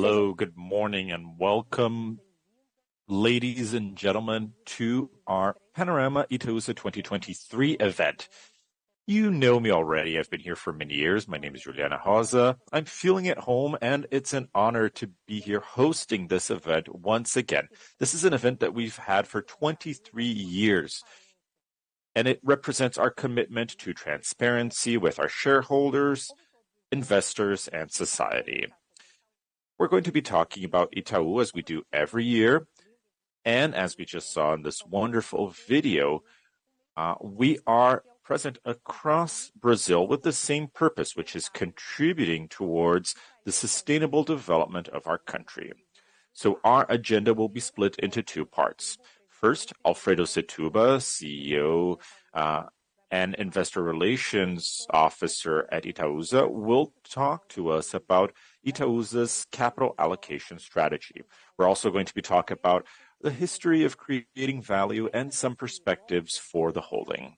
Hello, good morning and welcome, ladies and gentlemen, to our Panorama Itaúsa 2023 event. You know me already. I've been here for many years. My name is Juliana Rosa. I'm feeling at home, and it's an honor to be here hosting this event once again. This is an event that we've had for 23 years, and it represents our commitment to transparency with our shareholders, investors, and society. We're going to be talking about Itaú as we do every year, and as we just saw in this wonderful video, we are present across Brazil with the same purpose, which is contributing towards the sustainable development of our country. Our agenda will be split into two parts. First, Alfredo Setúbal, CEO and Investor Relations Officer at Itaúsa, will talk to us about Itaúsa's capital allocation strategy. We're also going to be talking about the history of creating value and some perspectives for the holding.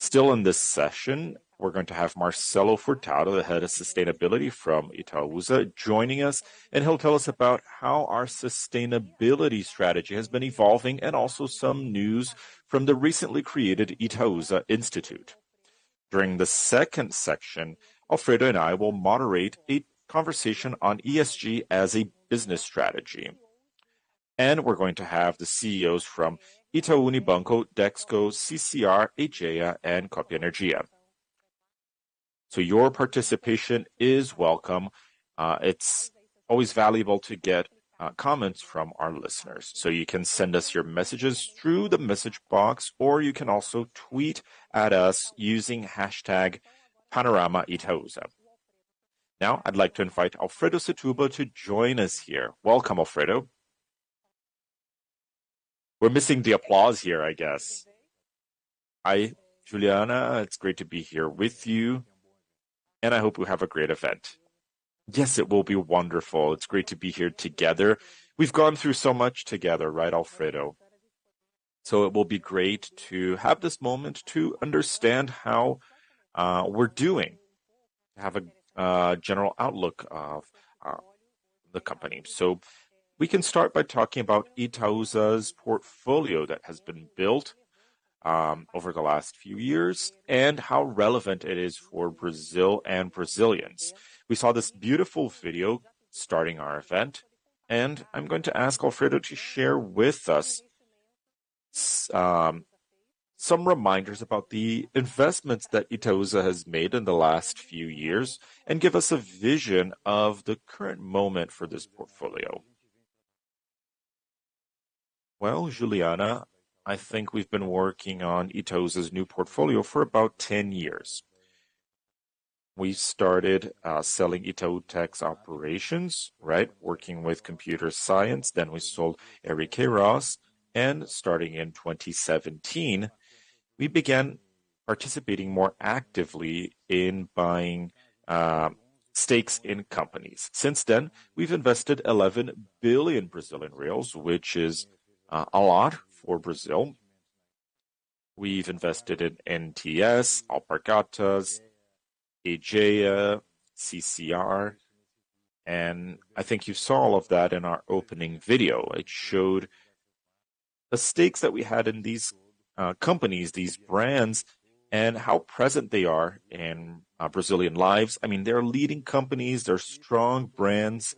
Still in this session, we're going to have Marcelo Furtado, the Head of Sustainability from Itaúsa, joining us, and he'll tell us about how our sustainability strategy has been evolving and also some news from the recently created Itaúsa Institute. During the second section, Alfredo and I will moderate a conversation on ESG as a business strategy. We're going to have the CEOs from Itaú Unibanco, Dexco, CCR, Aegea, and Copa Energia. Your participation is welcome. It's always valuable to get comments from our listeners. You can send us your messages through the message box, or you can also tweet at us using #PanoramaItaúsa. Now, I'd like to invite Alfredo Setúbal to join us here. Welcome, Alfredo. We're missing the applause here, I guess. Hi, Juliana. It's great to be here with you, and I hope we have a great event. Yes, it will be wonderful. It's great to be here together. We've gone through so much together, right, Alfredo? It will be great to have this moment to understand how we're doing, to have a general outlook of the company. We can start by talking about Itaúsa's portfolio that has been built over the last few years and how relevant it is for Brazil and Brazilians. We saw this beautiful video starting our event, and I'm going to ask Alfredo to share with us some reminders about the investments that Itaúsa has made in the last few years and give us a vision of the current moment for this portfolio. Well, Juliana, I think we've been working on Itaúsa's new portfolio for about 10 years. We started selling Itautec's operations, right? Working with computer science. Then we sold Elekeiroz. Starting in 2017, we began participating more actively in buying stakes in companies. Since then, we've invested 11 billion Brazilian reais, which is a lot for Brazil. We've invested in NTS, Alpargatas, Aegea, CCR, and I think you saw all of that in our opening video. It showed the stakes that we had in these companies, these brands, and how present they are in Brazilian lives. I mean, they're leading companies, they're strong brands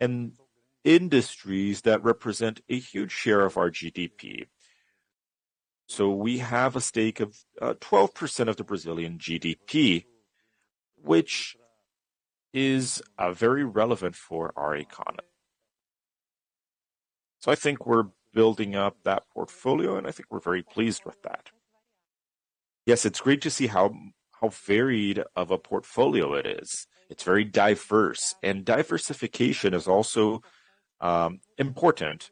and industries that represent a huge share of our GDP. We have a stake of 12% of the Brazilian GDP, which is very relevant for our economy. I think we're building up that portfolio, and I think we're very pleased with that. Yes, it's great to see how varied of a portfolio it is. It's very diverse. Diversification is also important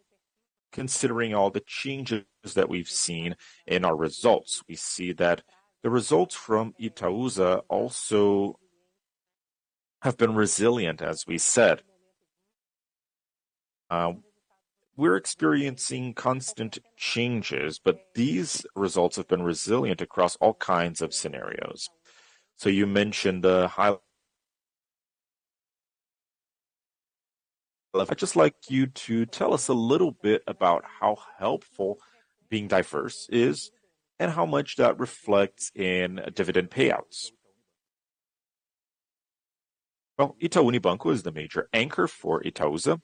considering all the changes that we've seen in our results. We see that the results from Itaúsa also have been resilient, as we said. We're experiencing constant changes, but these results have been resilient across all kinds of scenarios. I'd just like you to tell us a little bit about how helpful being diverse is and how much that reflects in dividend payouts. Well, Itaú Unibanco is the major anchor for Itaúsa.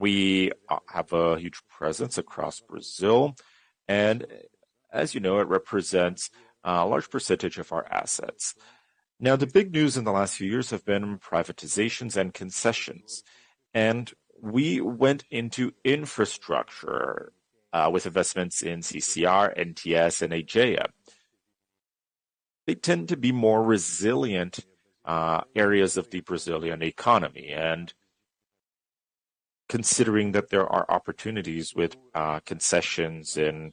We have a huge presence across Brazil, and as you know, it represents a large percentage of our assets. Now, the big news in the last few years have been privatizations and concessions. We went into infrastructure with investments in CCR, NTS and Aegea. They tend to be more resilient areas of the Brazilian economy. Considering that there are opportunities with concessions in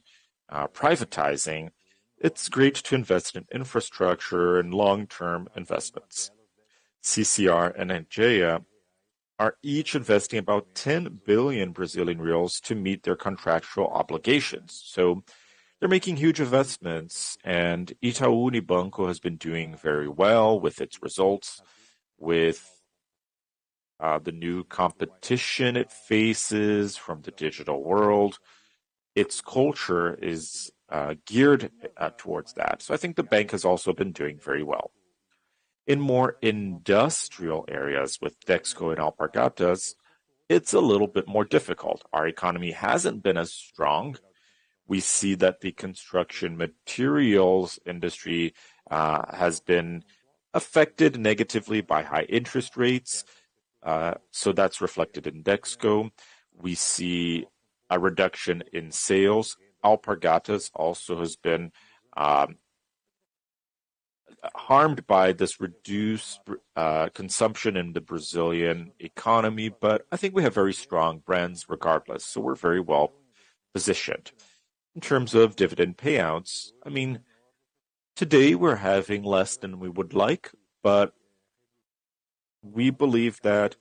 privatizing, it's great to invest in infrastructure and long-term investments. CCR and Aegea each investing about 10 billion Brazilian reais to meet their contractual obligations. They're making huge investments, and Itaú Unibanco has been doing very well with its results, with the new competition it faces from the digital world. Its culture is geared towards that. I think the bank has also been doing very well. In more industrial areas with Dexco and Alpargatas, it's a little bit more difficult. Our economy hasn't been as strong. We see that the construction materials industry has been affected negatively by high interest rates, so that's reflected in Dexco. We see a reduction in sales. Alpargatas also has been harmed by this reduced consumption in the Brazilian economy, but I think we have very strong brands regardless, so we're very well-positioned. In terms of dividend payouts, I mean, today we're having less than we would like, but we believe that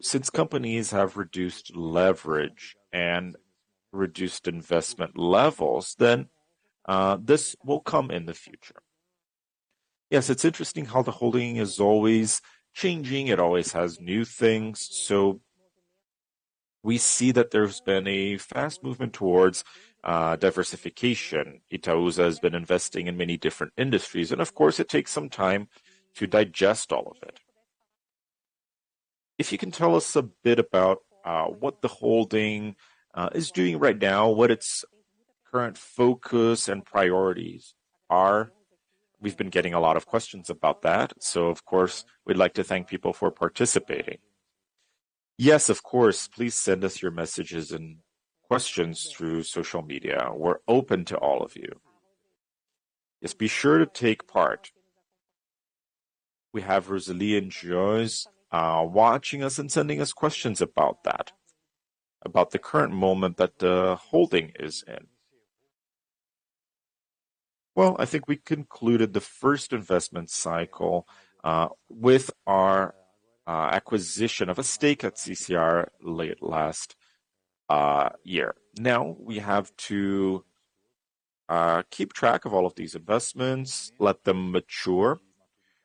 since companies have reduced leverage and reduced investment levels, then this will come in the future. Yes, it's interesting how the holding is always changing. It always has new things, so we see that there's been a fast movement towards diversification. Itaúsa has been investing in many different industries, and of course, it takes some time to digest all of it. If you can tell us a bit about what the holding is doing right now, what its current focus and priorities are. We've been getting a lot of questions about that. Of course, we'd like to thank people for participating. Yes, of course. Please send us your messages and questions through social media. We're open to all of you. Yes, be sure to take part. We have Rosalie and Joyce watching us and sending us questions about that, about the current moment that the holding is in. Well, I think we concluded the first investment cycle with our acquisition of a stake at CCR late last year. Now, we have to keep track of all of these investments, let them mature.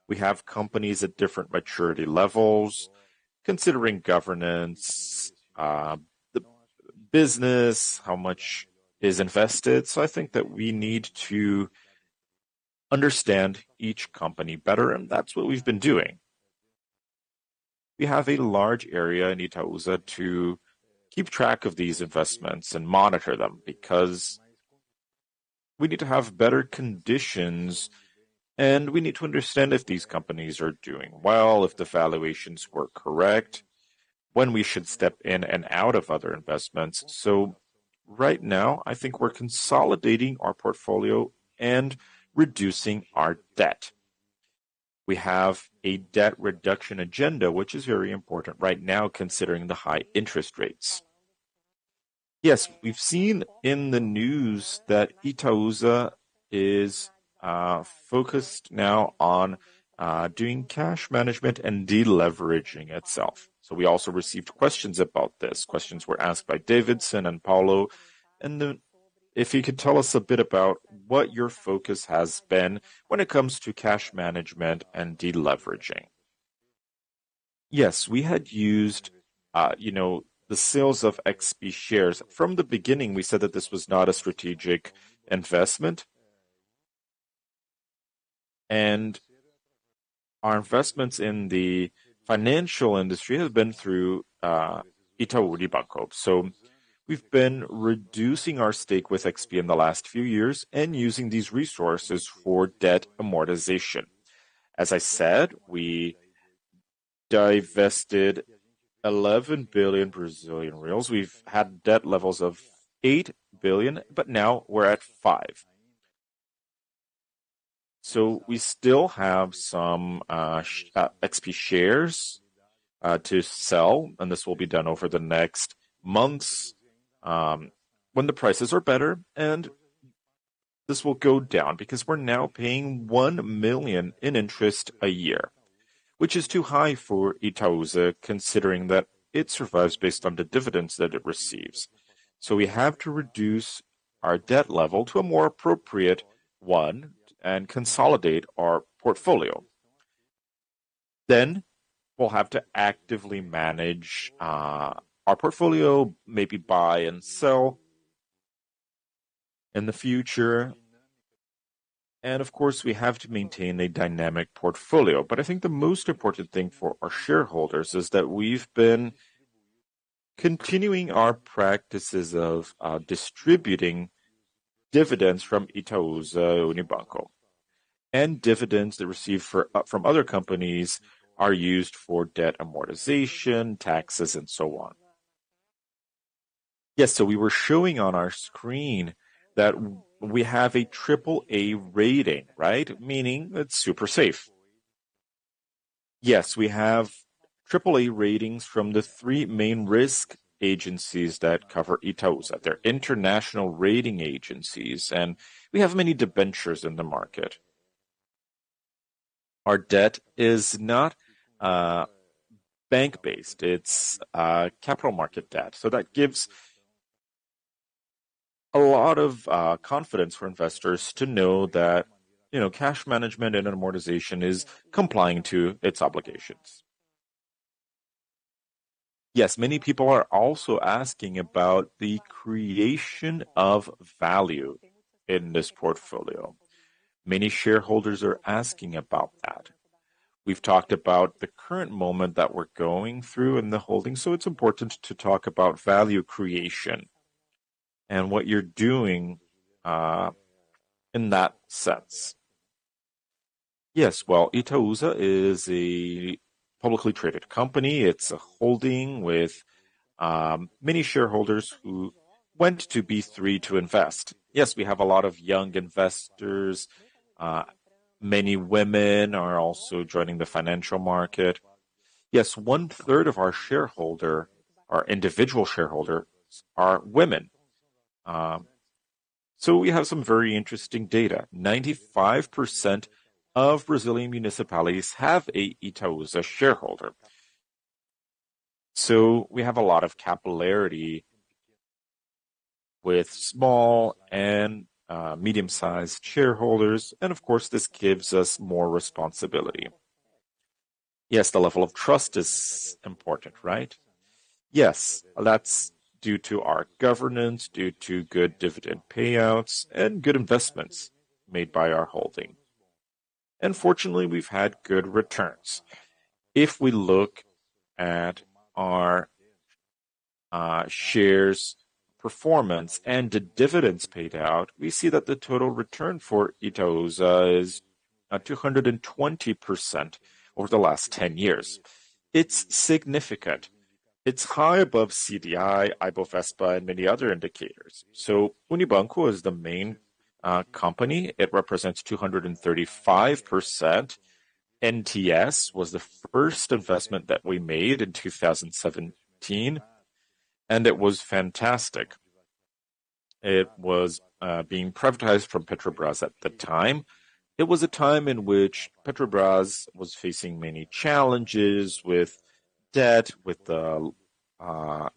We have companies at different maturity levels, considering governance, the business, how much is invested. I think that we need to understand each company better, and that's what we've been doing. We have a large area in Itaúsa to keep track of these investments and monitor them because we need to have better conditions, and we need to understand if these companies are doing well, if the valuations were correct, when we should step in and out of other investments. Right now, I think we're consolidating our portfolio and reducing our debt. We have a debt reduction agenda, which is very important right now considering the high interest rates. Yes, we've seen in the news that Itaúsa is focused now on doing cash management and deleveraging itself. We also received questions about this. Questions were asked by Davidson and Paulo. If you could tell us a bit about what your focus has been when it comes to cash management and deleveraging. Yes, we had used, you know, the sales of XP shares. From the beginning, we said that this was not a strategic investment. Our investments in the financial industry have been through Itaú Unibanco. We've been reducing our stake with XP in the last few years and using these resources for debt amortization. As I said, we divested 11 billion Brazilian reais. We've had debt levels of 8 billion, but now we're at 5 billion. We still have some XP shares to sell, and this will be done over the next months when the prices are better. This will go down because we're now paying 1 million in interest a year, which is too high for Itaúsa, considering that it survives based on the dividends that it receives. We have to reduce our debt level to a more appropriate one and consolidate our portfolio. We'll have to actively manage our portfolio, maybe buy and sell in the future. Of course, we have to maintain a dynamic portfolio. I think the most important thing for our shareholders is that we've been continuing our practices of distributing dividends from Itaú Unibanco, and dividends they receive from other companies are used for debt amortization, taxes, and so on. Yes. We were showing on our screen that we have an AAA rating, right? Meaning it's super safe. Yes, we have AAA ratings from the three main rating agencies that cover Itaúsa. They're international rating agencies, and we have many debentures in the market. Our debt is not bank-based, it's capital market debt. That gives a lot of confidence for investors to know that, you know, cash management and amortization is complying to its obligations. Yes. Many people are also asking about the creation of value in this portfolio. Many shareholders are asking about that. We've talked about the current moment that we're going through in the holding, so it's important to talk about value creation and what you're doing in that sense. Yes. Well, Itaúsa is a publicly traded company. It's a holding with many shareholders who went to B3 to invest. Yes, we have a lot of young investors, many women are also joining the financial market. Yes, 1/3 of our shareholders, our individual shareholders are women. So we have some very interesting data. 95% of Brazilian municipalities have an Itaúsa shareholder. So we have a lot of capillarity with small and medium-sized shareholders, and of course, this gives us more responsibility. Yes, the level of trust is important, right? Yes. That's due to our governance, due to good dividend payouts, and good investments made by our holding. Fortunately, we've had good returns. If we look at our shares performance and the dividends paid out, we see that the total return for Itaúsa is at 220% over the last 10 years. It's significant. It's high above CDI, Ibovespa, and many other indicators. Unibanco is the main company. It represents 235%. NTS was the first investment that we made in 2017, and it was fantastic. It was being privatized from Petrobras at the time. It was a time in which Petrobras was facing many challenges with debt, with the Lava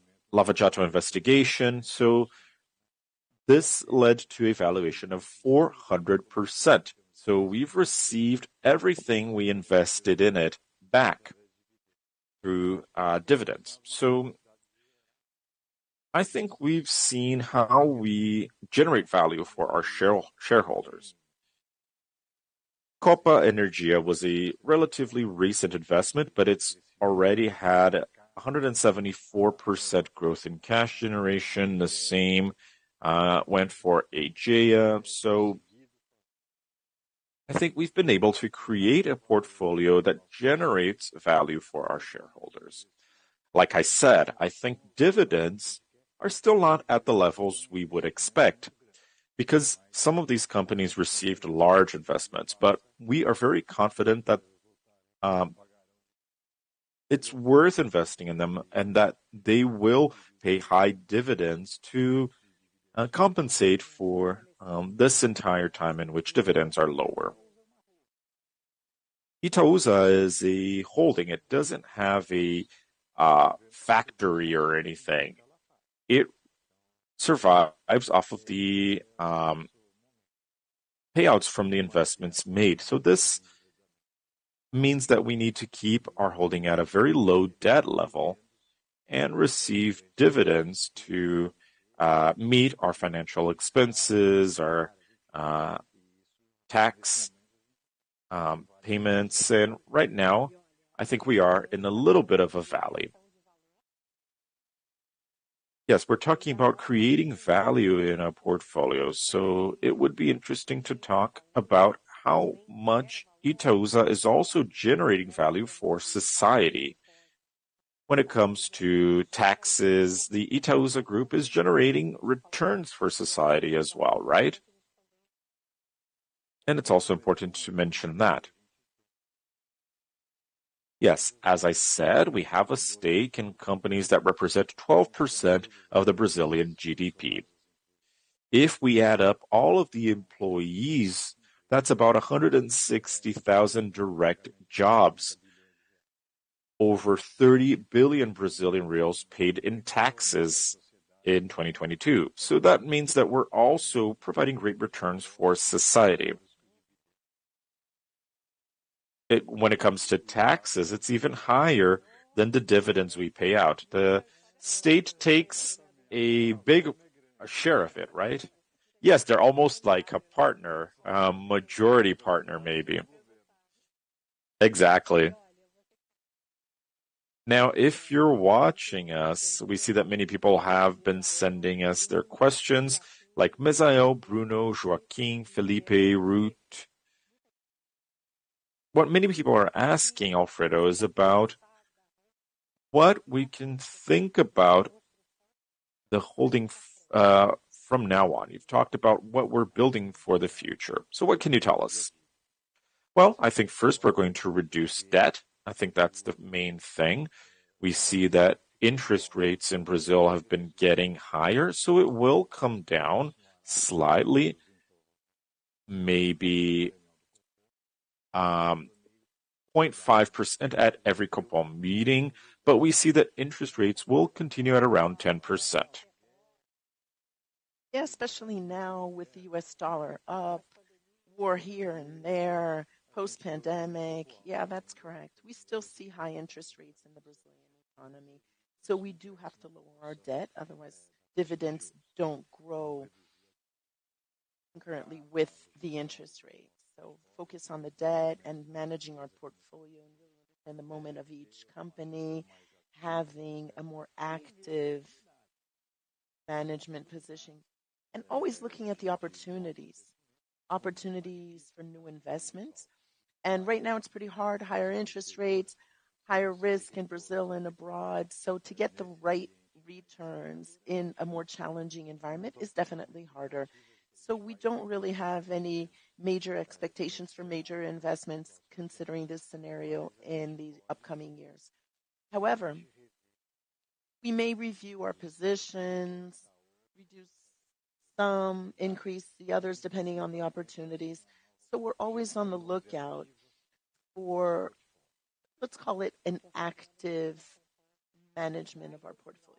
Jato investigation. This led to a valuation of 400%. We've received everything we invested in it back through dividends. I think we've seen how we generate value for our shareholders. Copa Energia was a relatively recent investment, but it's already had 174% growth in cash generation. The same went for Aegea. I think we've been able to create a portfolio that generates value for our shareholders. Like I said, I think dividends are still not at the levels we would expect because some of these companies received large investments, but we are very confident that it's worth investing in them and that they will pay high dividends to compensate for this entire time in which dividends are lower. Itaúsa is a holding. It doesn't have a factory or anything. It survives off of the payouts from the investments made. This means that we need to keep our holding at a very low debt level and receive dividends to meet our financial expenses, our tax payments. Right now, I think we are in a little bit of a valley. Yes. We're talking about creating value in our portfolio, so it would be interesting to talk about how much Itaúsa is also generating value for society. When it comes to taxes, the Itaúsa group is generating returns for society as well, right? It's also important to mention that. Yes. As I said, we have a stake in companies that represent 12% of the Brazilian GDP. If we add up all of the employees, that's about 160,000 direct jobs, over 30 billion Brazilian reais paid in taxes in 2022. That means that we're also providing great returns for society. When it comes to taxes, it's even higher than the dividends we pay out. The state takes a big share of it, right? Yes. They're almost like a partner. A majority partner, maybe. Exactly. Now, if you're watching us, we see that many people have been sending us their questions like Mizael, Bruno, Joaquim, Felipe, Ruth. What many people are asking, Alfredo, is about what we can think about the holding's future from now on. You've talked about what we're building for the future. What can you tell us? Well, I think first we're going to reduce debt. I think that's the main thing. We see that interest rates in Brazil have been getting higher, so it will come down slightly, maybe 0.5% at every Copom meeting, but we see that interest rates will continue at around 10%. Yeah, especially now with the U.S. dollar up, war here and there, post-pandemic. Yeah, that's correct. We still see high interest rates in the Brazilian economy, so we do have to lower our debt, otherwise dividends don't grow concurrently with the interest rates. Focus on the debt and managing our portfolio in the moment of each company, having a more active management position, and always looking at the opportunities for new investments. Right now it's pretty hard, higher interest rates, higher risk in Brazil and abroad. To get the right returns in a more challenging environment is definitely harder. We don't really have any major expectations for major investments considering this scenario in the upcoming years. However, we may review our positions, reduce some, increase the others depending on the opportunities. We're always on the lookout for, let's call it an active management of our portfolio.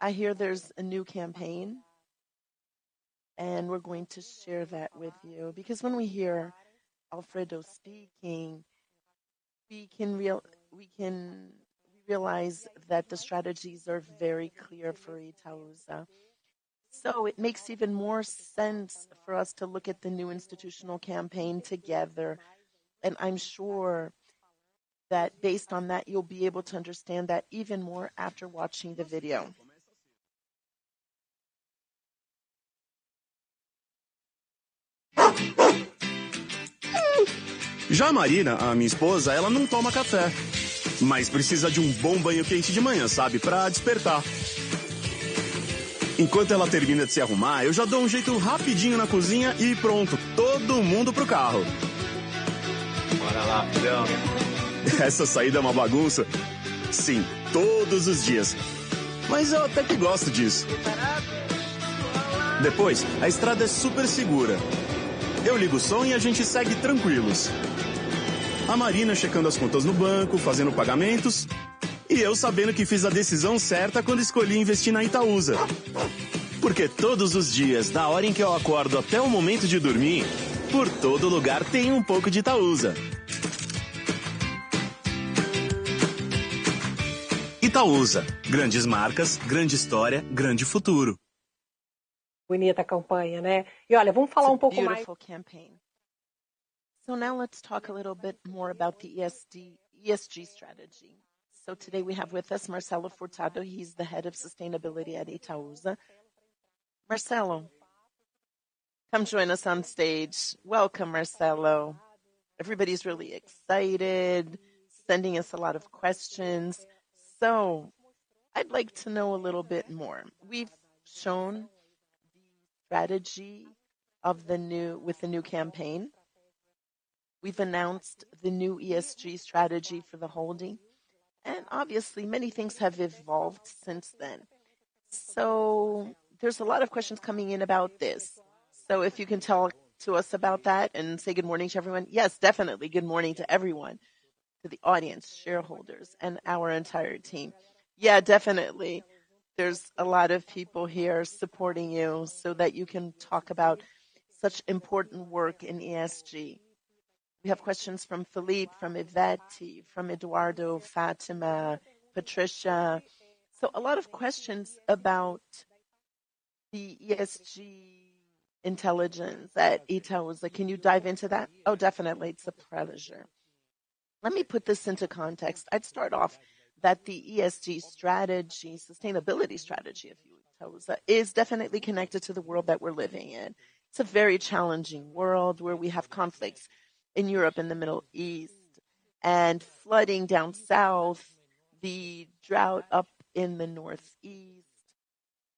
I hear there's a new campaign, and we're going to share that with you because when we hear Alfredo speaking, we can realize that the strategies are very clear for Itaúsa. It makes even more sense for us to look at the new institutional campaign together, and I'm sure that based on that, you'll be able to understand that even more after watching the video. It's a beautiful campaign. Now let's talk a little bit more about the ESG strategy. Today we have with us Marcelo Furtado, he's the Head of Sustainability at Itaúsa. Marcelo, come join us on stage. Welcome, Marcelo. Everybody's really excited, sending us a lot of questions. I'd like to know a little bit more. We've shown the strategy with the new campaign. We've announced the new ESG strategy for the holding, and obviously many things have evolved since then. There's a lot of questions coming in about this. If you can talk to us about that and say good morning to everyone. Yes, definitely. Good morning to everyone, to the audience, shareholders, and our entire team. Yeah, definitely. There's a lot of people here supporting you so that you can talk about such important work in ESG. We have questions from Felipe, from Ivete, from Eduardo, Fatima, Patricia. A lot of questions about the ESG intelligence at Itaúsa. Can you dive into that? Oh, definitely. It's a pleasure. Let me put this into context. I'd start off that the ESG strategy, sustainability strategy of Itaúsa is definitely connected to the world that we're living in. It's a very challenging world where we have conflicts in Europe and the Middle East, and flooding down south, the drought up in the Northeast.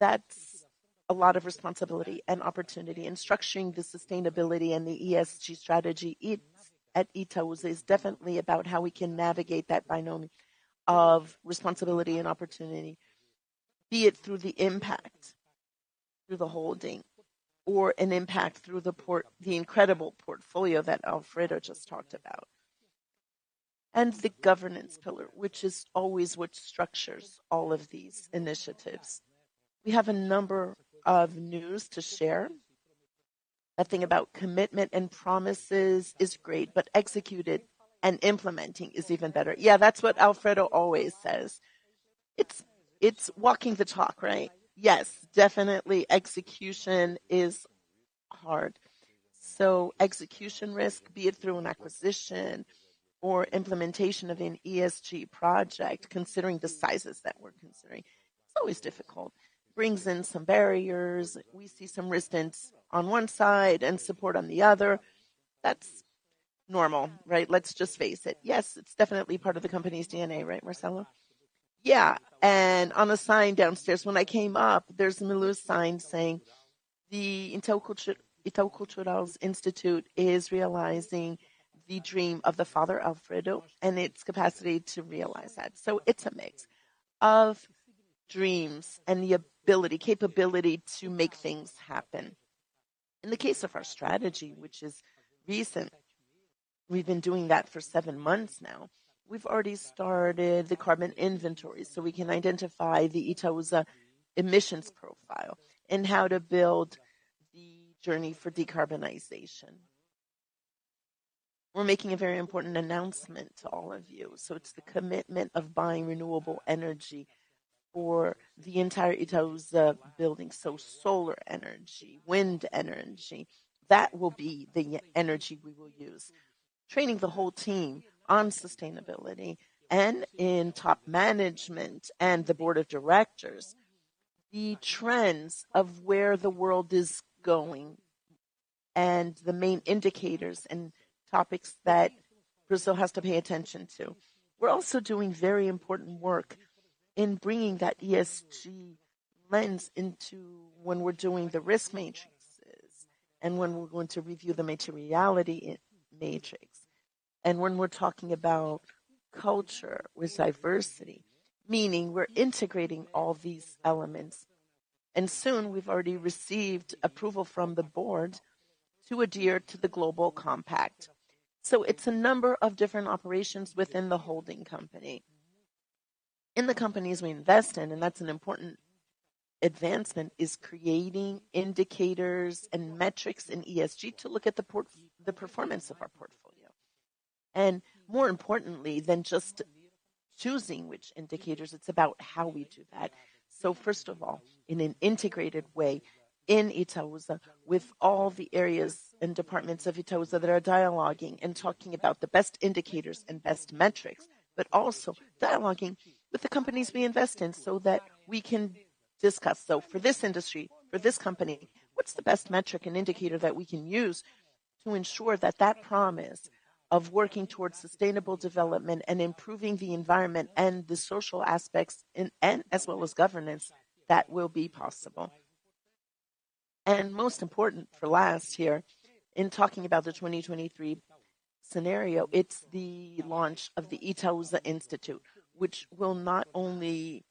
That's a lot of responsibility and opportunity, and structuring the sustainability and the ESG strategy at Itaúsa is definitely about how we can navigate that binomial of responsibility and opportunity. Be it through the impact through the holding or an impact through the incredible portfolio that Alfredo just talked about, and the governance pillar, which is always what structures all of these initiatives. We have a number of news to share. Nothing about commitment and promises is great, but executed and implementing is even better. Yeah, that's what Alfredo always says. It's walking the talk, right? Yes, definitely execution is hard. Execution risk, be it through an acquisition or implementation of an ESG project, considering the sizes that we're considering, it's always difficult. Brings in some barriers. We see some resistance on one side and support on the other. That's normal, right? Let's just face it. Yes, it's definitely part of the company's DNA, right, Marcelo? Yeah. On a sign downstairs, when I came up, there's a little sign saying the Itaú Cultural Institute is realizing the dream of the father Alfredo and its capacity to realize that. It's a mix of dreams and the ability, capability to make things happen. In the case of our strategy, which is recent, we've been doing that for seven months now. We've already started the carbon inventory, so we can identify the Itaúsa emissions profile and how to build the journey for decarbonization. We're making a very important announcement to all of you. It's the commitment of buying renewable energy for the entire Itaúsa building. Solar energy, wind energy, that will be the energy we will use. Training the whole team on sustainability and in top management and the board of directors, the trends of where the world is going and the main indicators and topics that Brazil has to pay attention to. We're also doing very important work in bringing that ESG lens into when we're doing the risk matrices and when we're going to review the materiality matrix. When we're talking about culture with diversity, meaning we're integrating all these elements. Soon, we've already received approval from the board to adhere to the Global Compact. It's a number of different operations within the holding company. In the companies we invest in, and that's an important advancement, is creating indicators and metrics in ESG to look at the performance of our portfolio. More importantly than just choosing which indicators, it's about how we do that. First of all, in an integrated way in Itaúsa, with all the areas and departments of Itaúsa that are dialoguing and talking about the best indicators and best metrics, but also dialoguing with the companies we invest in so that we can discuss, for this industry, for this company, what's the best metric and indicator that we can use to ensure that that promise of working towards sustainable development and improving the environment and the social aspects and as well as governance, that will be possible. Most important for last here, in talking about the 2023 scenario, it's the launch of the Itaúsa Institute, which will not only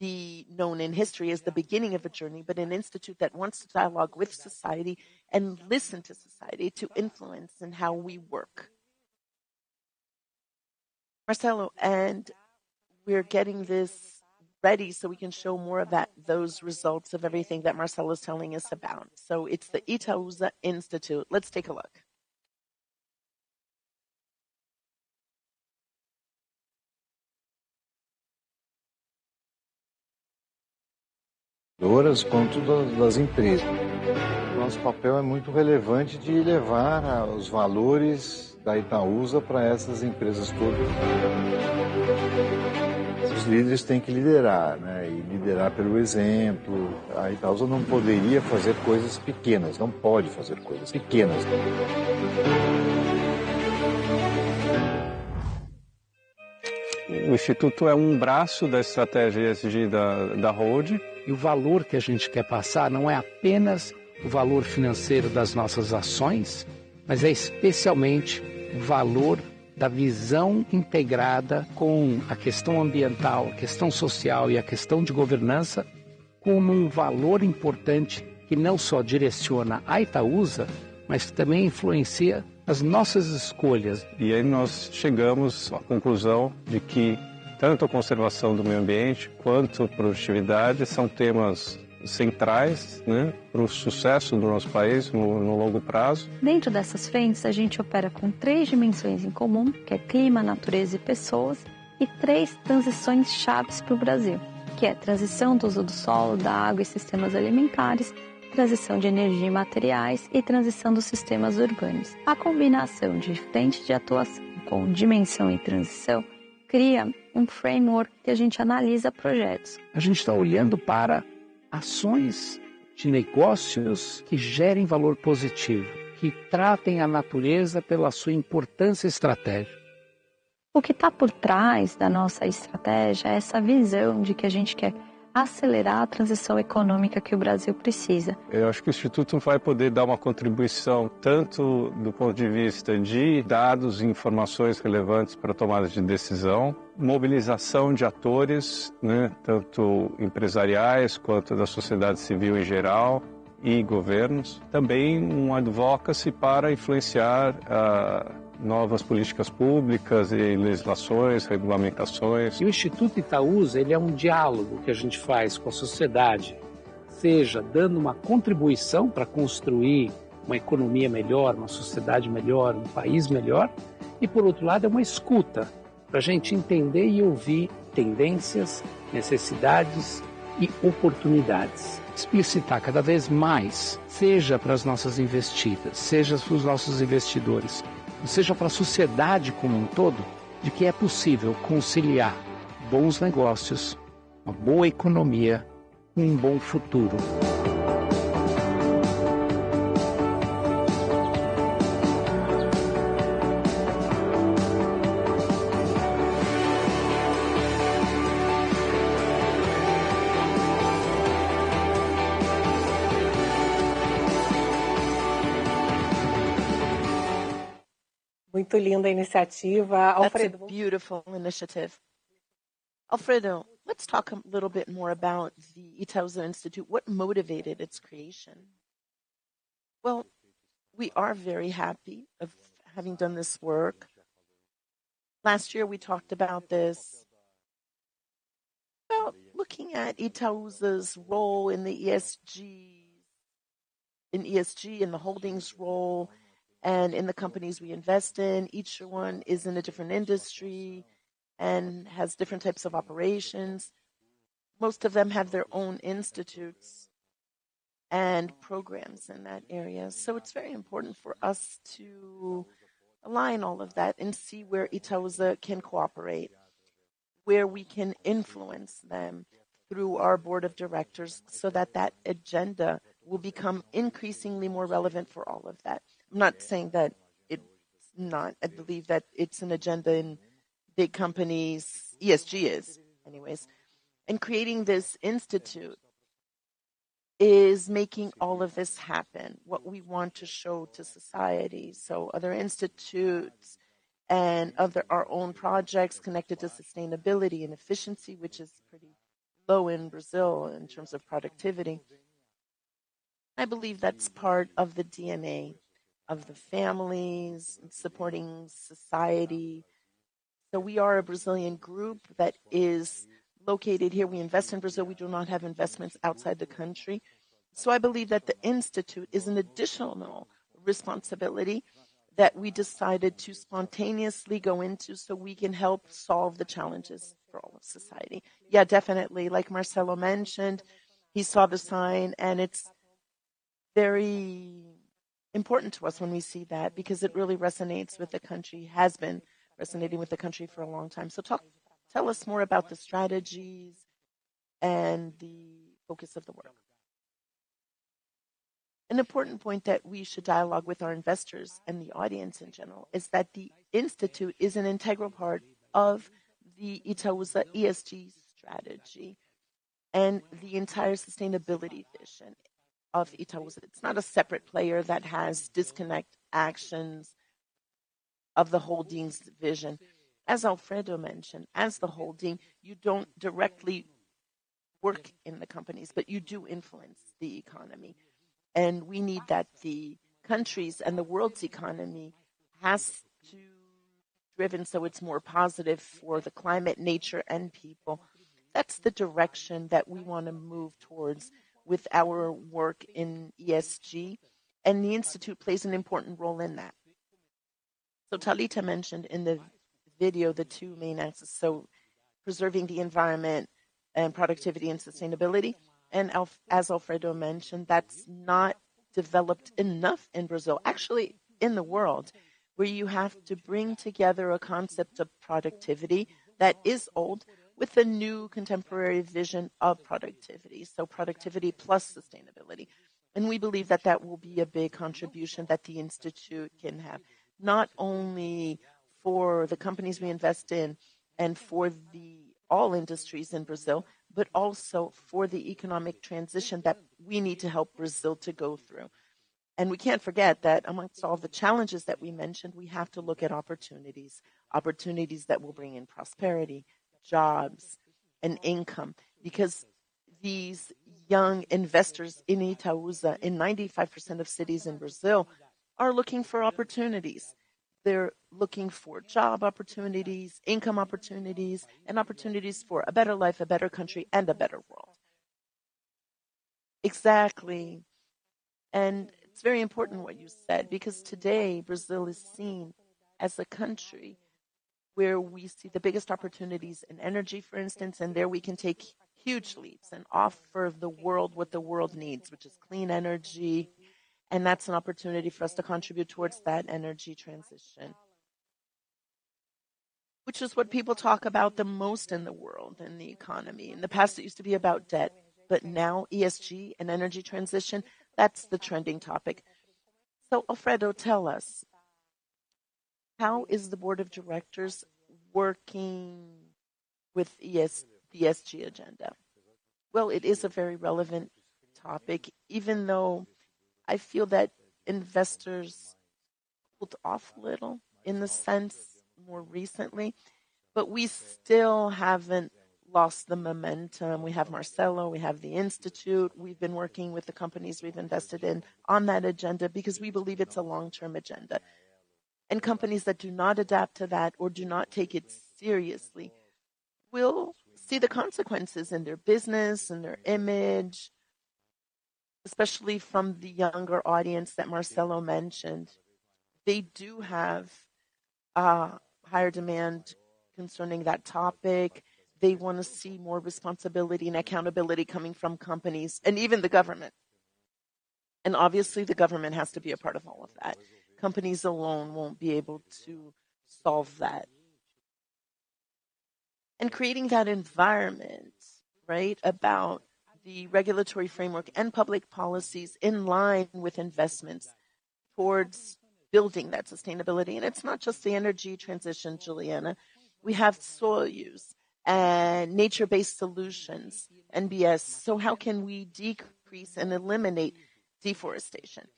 be known in history as the beginning of a journey, but an institute that wants to dialogue with society and listen to society to influence in how we work. Marcelo, and we're getting this ready so we can show more of that, those results of everything that Marcelo is telling us about. It's the Itaúsa Institute. Let's take a look. Muito linda a iniciativa. That's a beautiful initiative. Alfredo, let's talk a little bit more about the Itaúsa Institute. What motivated its creation? Well, we are very happy of having done this work. Last year, we talked about this. Well, looking at Itaúsa's role in ESG, in the holdings role, and in the companies we invest in, each one is in a different industry and has different types of operations. Most of them have their own institutes and programs in that area. So it's very important for us to align all of that and see where Itaúsa can cooperate, where we can influence them through our board of directors so that that agenda will become increasingly more relevant for all of that. I'm not saying that it's not. I believe that it's an agenda in big companies. ESG is anyways. Creating this institute is making all of this happen, what we want to show to society. Other institutes and our own projects connected to sustainability and efficiency, which is pretty low in Brazil in terms of productivity. I believe that's part of the DNA of the families in supporting society. We are a Brazilian group that is located here. We invest in Brazil. We do not have investments outside the country. I believe that the institute is an additional responsibility that we decided to spontaneously go into so we can help solve the challenges for all of society. Yeah, definitely. Like Marcelo mentioned, he saw the sign, and it's very important to us when we see that because it really resonates with the country, has been resonating with the country for a long time. Tell us more about the strategies and the focus of the work. An important point that we should dialogue with our investors and the audience in general is that the institute is an integral part of the Itaúsa ESG strategy and the entire sustainability vision of Itaúsa. It's not a separate player that has disconnect actions of the holding's vision. As Alfredo mentioned, as the holding, you don't directly work in the companies, but you do influence the economy. We need that the country's and the world's economy has to driven so it's more positive for the climate, nature, and people. That's the direction that we wanna move towards with our work in ESG, and the institute plays an important role in that. Talita mentioned in the video the two main axes, so preserving the environment and productivity and sustainability. As Alfredo mentioned, that's not developed enough in Brazil, actually in the world, where you have to bring together a concept of productivity that is old with the new contemporary vision of productivity, so productivity plus sustainability. We believe that that will be a big contribution that the institute can have, not only for the companies we invest in and for all industries in Brazil, but also for the economic transition that we need to help Brazil to go through. We can't forget that among all the challenges that we mentioned, we have to look at opportunities that will bring in prosperity, jobs, and income because these young investors in Itaúsa, in 95% of cities in Brazil, are looking for opportunities. They're looking for job opportunities, income opportunities, and opportunities for a better life, a better country, and a better world. Exactly. It's very important what you said because today Brazil is seen as a country where we see the biggest opportunities in energy, for instance, and there we can take huge leaps and offer the world what the world needs, which is clean energy, and that's an opportunity for us to contribute towards that energy transition. Which is what people talk about the most in the world, in the economy. In the past, it used to be about debt, but now ESG and energy transition, that's the trending topic. Alfredo, tell us, how is the board of directors working with the ESG agenda? Well, it is a very relevant topic, even though I feel that investors cooled off a little in the sense more recently. We still haven't lost the momentum. We have Marcelo, we have the institute. We've been working with the companies we've invested in on that agenda because we believe it's a long-term agenda. Companies that do not adapt to that or do not take it seriously will see the consequences in their business and their image, especially from the younger audience that Marcelo mentioned. They do have higher demand concerning that topic. They wanna see more responsibility and accountability coming from companies and even the government. Obviously, the government has to be a part of all of that. Companies alone won't be able to solve that. Creating that environment, right, about the regulatory framework and public policies in line with investments towards building that sustainability. It's not just the energy transition, Juliana. We have soil use and nature-based solutions, NBS. So how can we decrease and eliminate deforestation?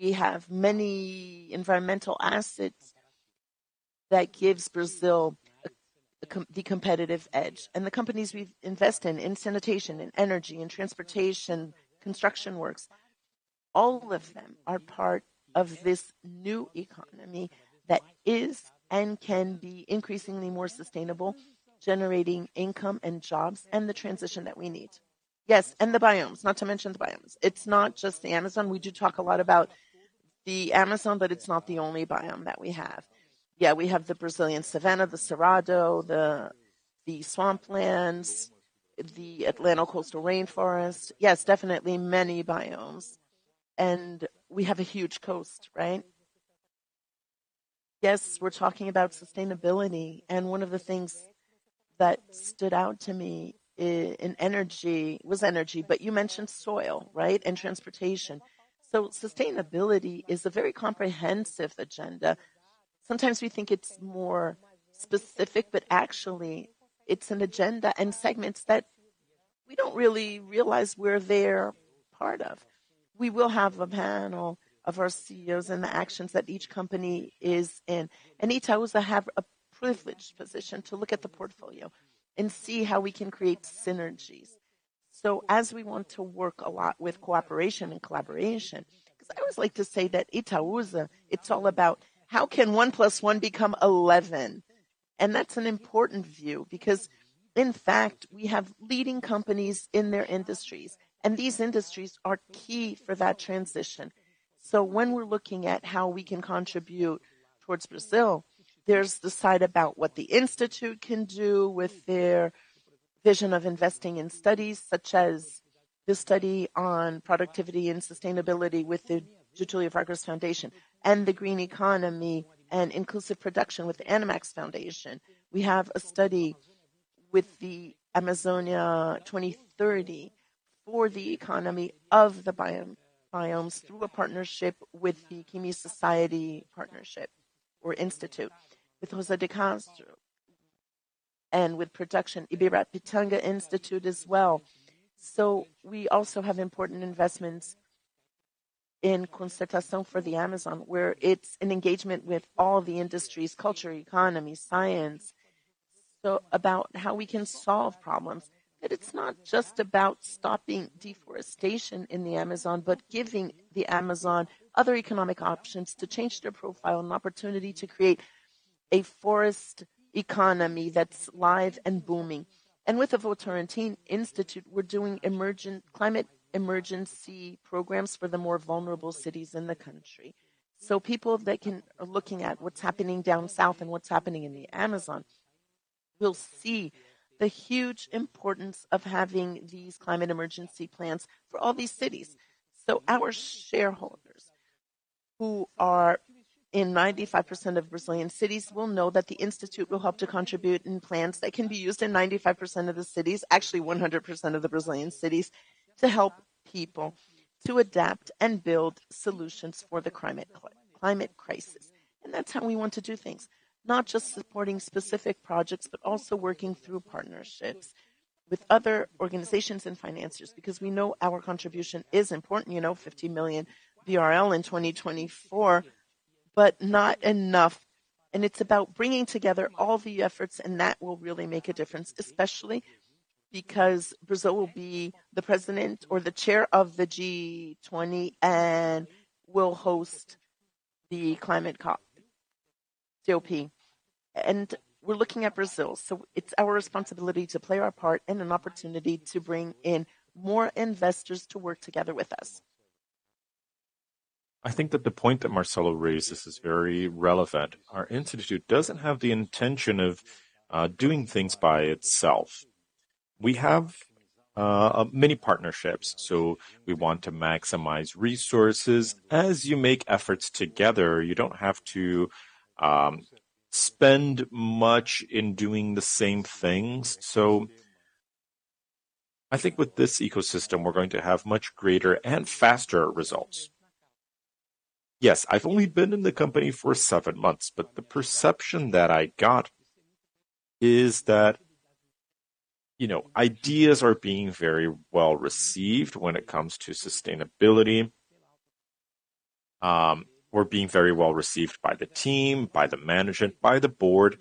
We have many environmental assets that gives Brazil the competitive edge. The companies we've invest in sanitation, in energy, in transportation, construction works, all of them are part of this new economy that is and can be increasingly more sustainable, generating income and jobs and the transition that we need. Yes, the Biomas. It's not just the Amazon. We do talk a lot about the Amazon, but it's not the only biome that we have. Yeah, we have the Brazilian savanna, the Cerrado, the Pantanal, the Atlantic coastal rainforest. Yes, definitely many biomes. We have a huge coast, right? Yes, we're talking about sustainability, and one of the things that stood out to me in energy was energy, but you mentioned solar, right, and transportation. Sustainability is a very comprehensive agenda. Sometimes we think it's more specific, but actually it's an agenda and segments that we don't really realize we're part of. We will have a panel of our CEOs and the areas that each company is in. Itaúsa has a privileged position to look at the portfolio and see how we can create synergies. As we want to work a lot with cooperation and collaboration, 'cause I always like to say that Itaúsa is all about how can 1 + 1 become 11. That's an important view because, in fact, we have leading companies in their industries, and these industries are key for that transition. When we're looking at how we can contribute towards Brazil, there's the side about what the institute can do with their vision of investing in studies such as the study on productivity and sustainability with the Getulio Vargas Foundation and the green economy and inclusive production with the Arymax Foundation. We have a study with the Amazônia 2030 for the economy of the biome, Biomas through a partnership with the Kimi Society Partnership or Institute, with Rosa de Castro and with Ibirapitanga Institute as well. We also have important investments in Concertação for the Amazon, where it's an engagement with all the industries, culture, economy, science. About how we can solve problems, that it's not just about stopping deforestation in the Amazon, but giving the Amazon other economic options to change their profile and opportunity to create a forest economy that's live and booming. With the Votorantim Institute, we're doing climate emergency programs for the more vulnerable cities in the country. People that are looking at what's happening down south and what's happening in the Amazon will see the huge importance of having these climate emergency plans for all these cities. Our shareholders, who are in 95% of Brazilian cities, will know that the institute will help to contribute in plans that can be used in 95% of the cities, actually 100% of the Brazilian cities, to help people to adapt and build solutions for the climate crisis. That's how we want to do things, not just supporting specific projects, but also working through partnerships with other organizations and financiers because we know our contribution is important, you know, 50 million in 2024, but not enough. It's about bringing together all the efforts, and that will really make a difference, especially because Brazil will be the president or the chair of the G20 and will host the Climate COP. We're looking at Brazil, so it's our responsibility to play our part and an opportunity to bring in more investors to work together with us. I think that the point that Marcelo raised, this is very relevant. Our institute doesn't have the intention of doing things by itself. We have many partnerships, so we want to maximize resources. As you make efforts together, you don't have to spend much in doing the same things. I think with this ecosystem, we're going to have much greater and faster results. Yes, I've only been in the company for seven months, but the perception that I got is that, you know, ideas are being very well-received when it comes to sustainability or being very well-received by the team, by the management, by the board.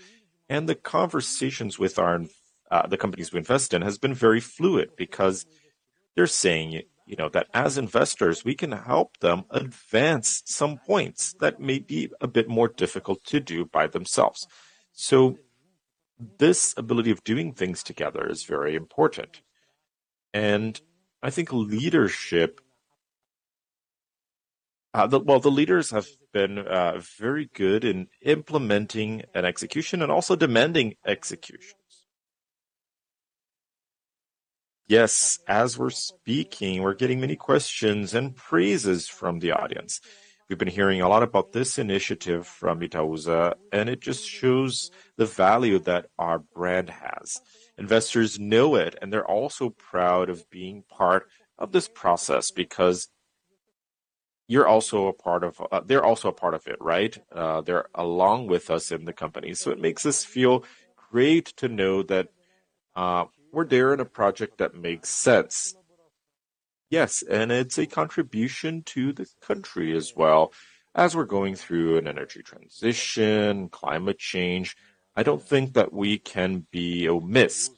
The conversations with our the companies we invest in has been very fluid because they're saying, you know, that as investors, we can help them advance some points that may be a bit more difficult to do by themselves. This ability of doing things together is very important. I think leadership. The leaders have been very good in implementing an execution and also demanding executions. Yes, as we're speaking, we're getting many questions and praises from the audience. We've been hearing a lot about this initiative from Itaú, and it just shows the value that our brand has. Investors know it, and they're also proud of being part of this process because you're also a part of. They're also a part of it, right? They're along with us in the company. It makes us feel great to know that we're there in a project that makes sense. Yes, it's a contribution to the country as well. As we're going through an energy transition, climate change, I don't think that we can be omissive.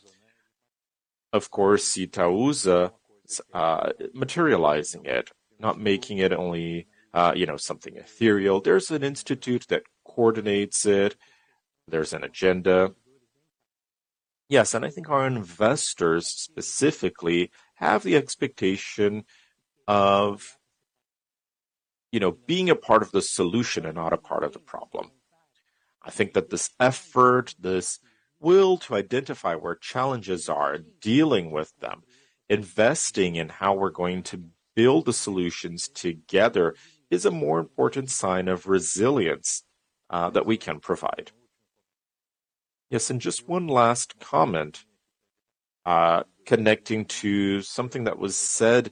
Of course, Itaúsa materializing it, not making it only you know something ethereal. There's an institute that coordinates it. There's an agenda. Yes, I think our investors specifically have the expectation of you know being a part of the solution and not a part of the problem. I think that this effort, this will to identify where challenges are, dealing with them, investing in how we're going to build the solutions together, is a more important sign of resilience that we can provide. Yes, just one last comment connecting to something that was said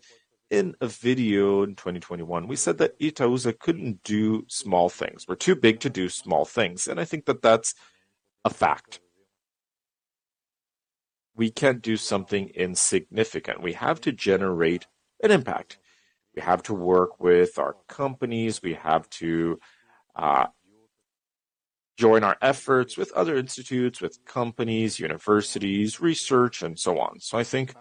in a video in 2021. We said that Itaúsa couldn't do small things. We're too big to do small things, and I think that that's a fact. We can't do something insignificant. We have to generate an impact. We have to work with our companies. We have to join our efforts with other institutes, with companies, universities, research, and so on. I think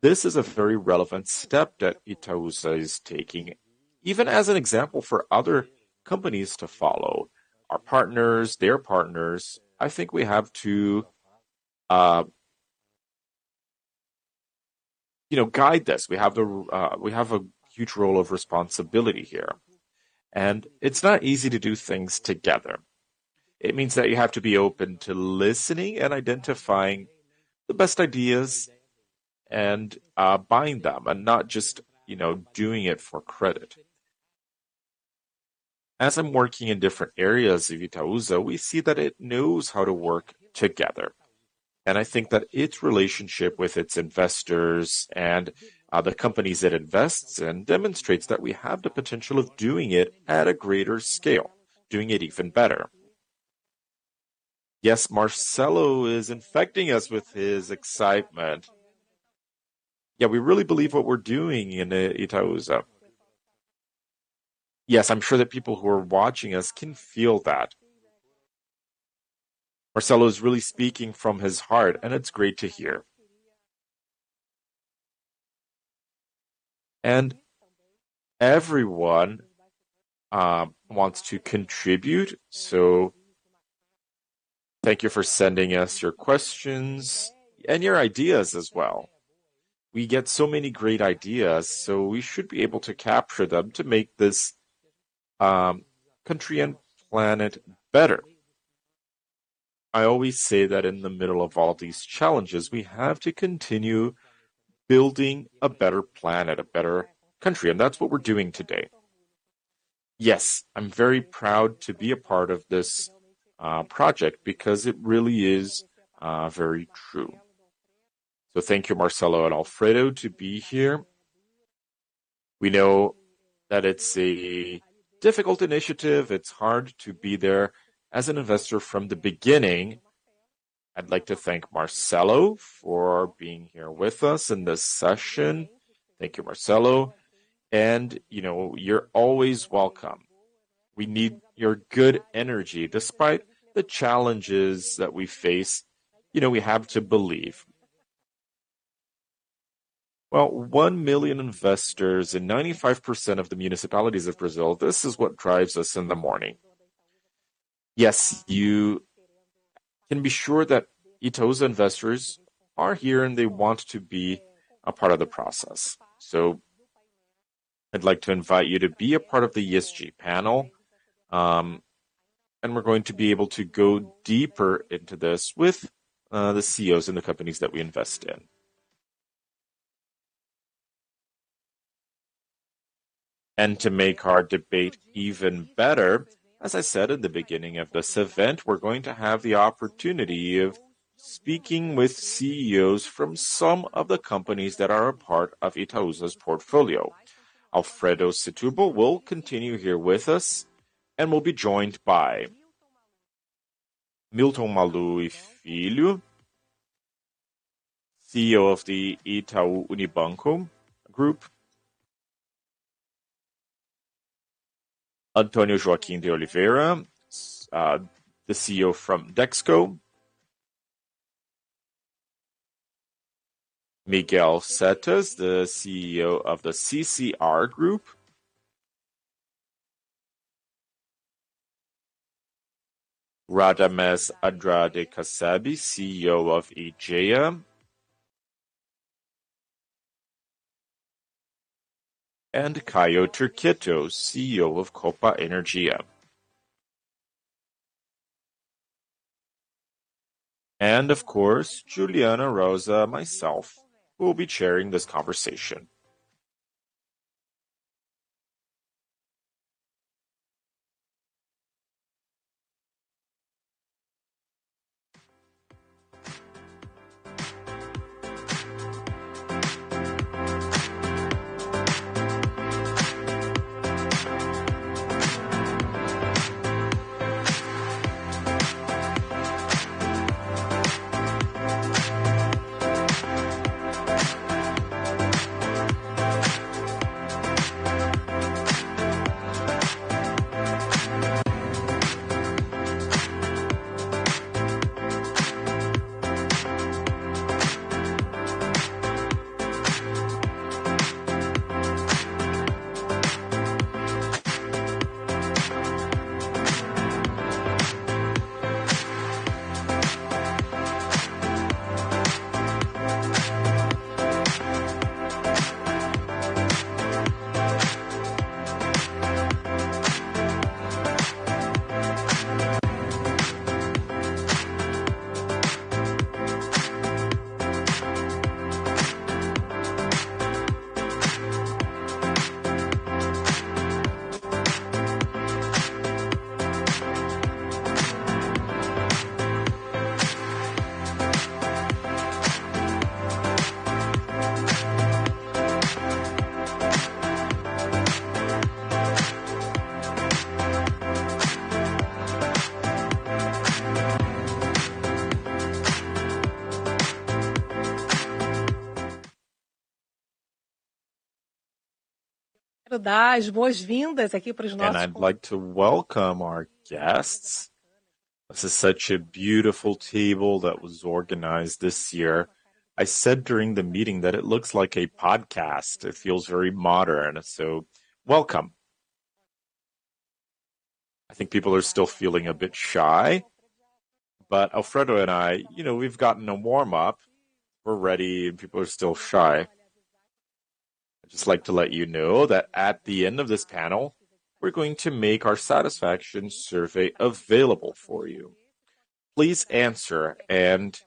this is a very relevant step that Itaúsa is taking, even as an example for other companies to follow, our partners, their partners. I think we have to, you know, guide this. We have a huge role of responsibility here, and it's not easy to do things together. It means that you have to be open to listening and identifying the best ideas and buying them and not just, you know, doing it for credit. As I'm working in different areas of Itaúsa, we see that it knows how to work together, and I think that its relationship with its investors and other companies it invests in demonstrates that we have the potential of doing it at a greater scale, doing it even better. Yes, Marcelo is infecting us with his excitement. Yeah, we really believe what we're doing in Itaúsa. Yes, I'm sure that people who are watching us can feel that. Marcelo is really speaking from his heart, and it's great to hear. Everyone wants to contribute, so thank you for sending us your questions and your ideas as well. We get so many great ideas, so we should be able to capture them to make this country and planet better. I always say that in the middle of all these challenges, we have to continue building a better planet, a better country, and that's what we're doing today. Yes, I'm very proud to be a part of this project because it really is very true. Thank you, Marcelo and Alfredo, to be here. We know that it's a difficult initiative. It's hard to be there as an investor from the beginning. I'd like to thank Marcelo for being here with us in this session. Thank you, Marcelo. You know, you're always welcome. We need your good energy. Despite the challenges that we face, you know, we have to believe. Well, 1 million investors in 95% of the municipalities of Brazil, this is what drives us in the morning. Yes, you can be sure that Itaúsa investors are here, and they want to be a part of the process. I'd like to invite you to be a part of the ESG panel, and we're going to be able to go deeper into this with the CEOs and the companies that we invest in. To make our debate even better, as I said at the beginning of this event, we're going to have the opportunity of speaking with CEOs from some of the companies that are a part of Itaúsa's portfolio. Alfredo Setúbal will continue here with us and will be joined by Milton Maluhy Filho, CEO of Itaú Unibanco; Antonio Joaquim de Oliveira, the CEO from Dexco; Miguel Setas, the CEO of the CCR Group; Radamés Andrade Casseb, CEO of Aegea; and Caio Turqueto, CEO of Copa Energia. Of course, Juliana Rosa, myself, will be chairing this conversation. I'd like to welcome our guests. This is such a beautiful table that was organized this year. I said during the meeting that it looks like a podcast. It feels very modern. Welcome. I think people are still feeling a bit shy, but Alfredo and I, you know, we've gotten a warm-up. We're ready, and people are still shy. I'd just like to let you know that at the end of this panel, we're going to make our satisfaction survey available for you. Please answer, and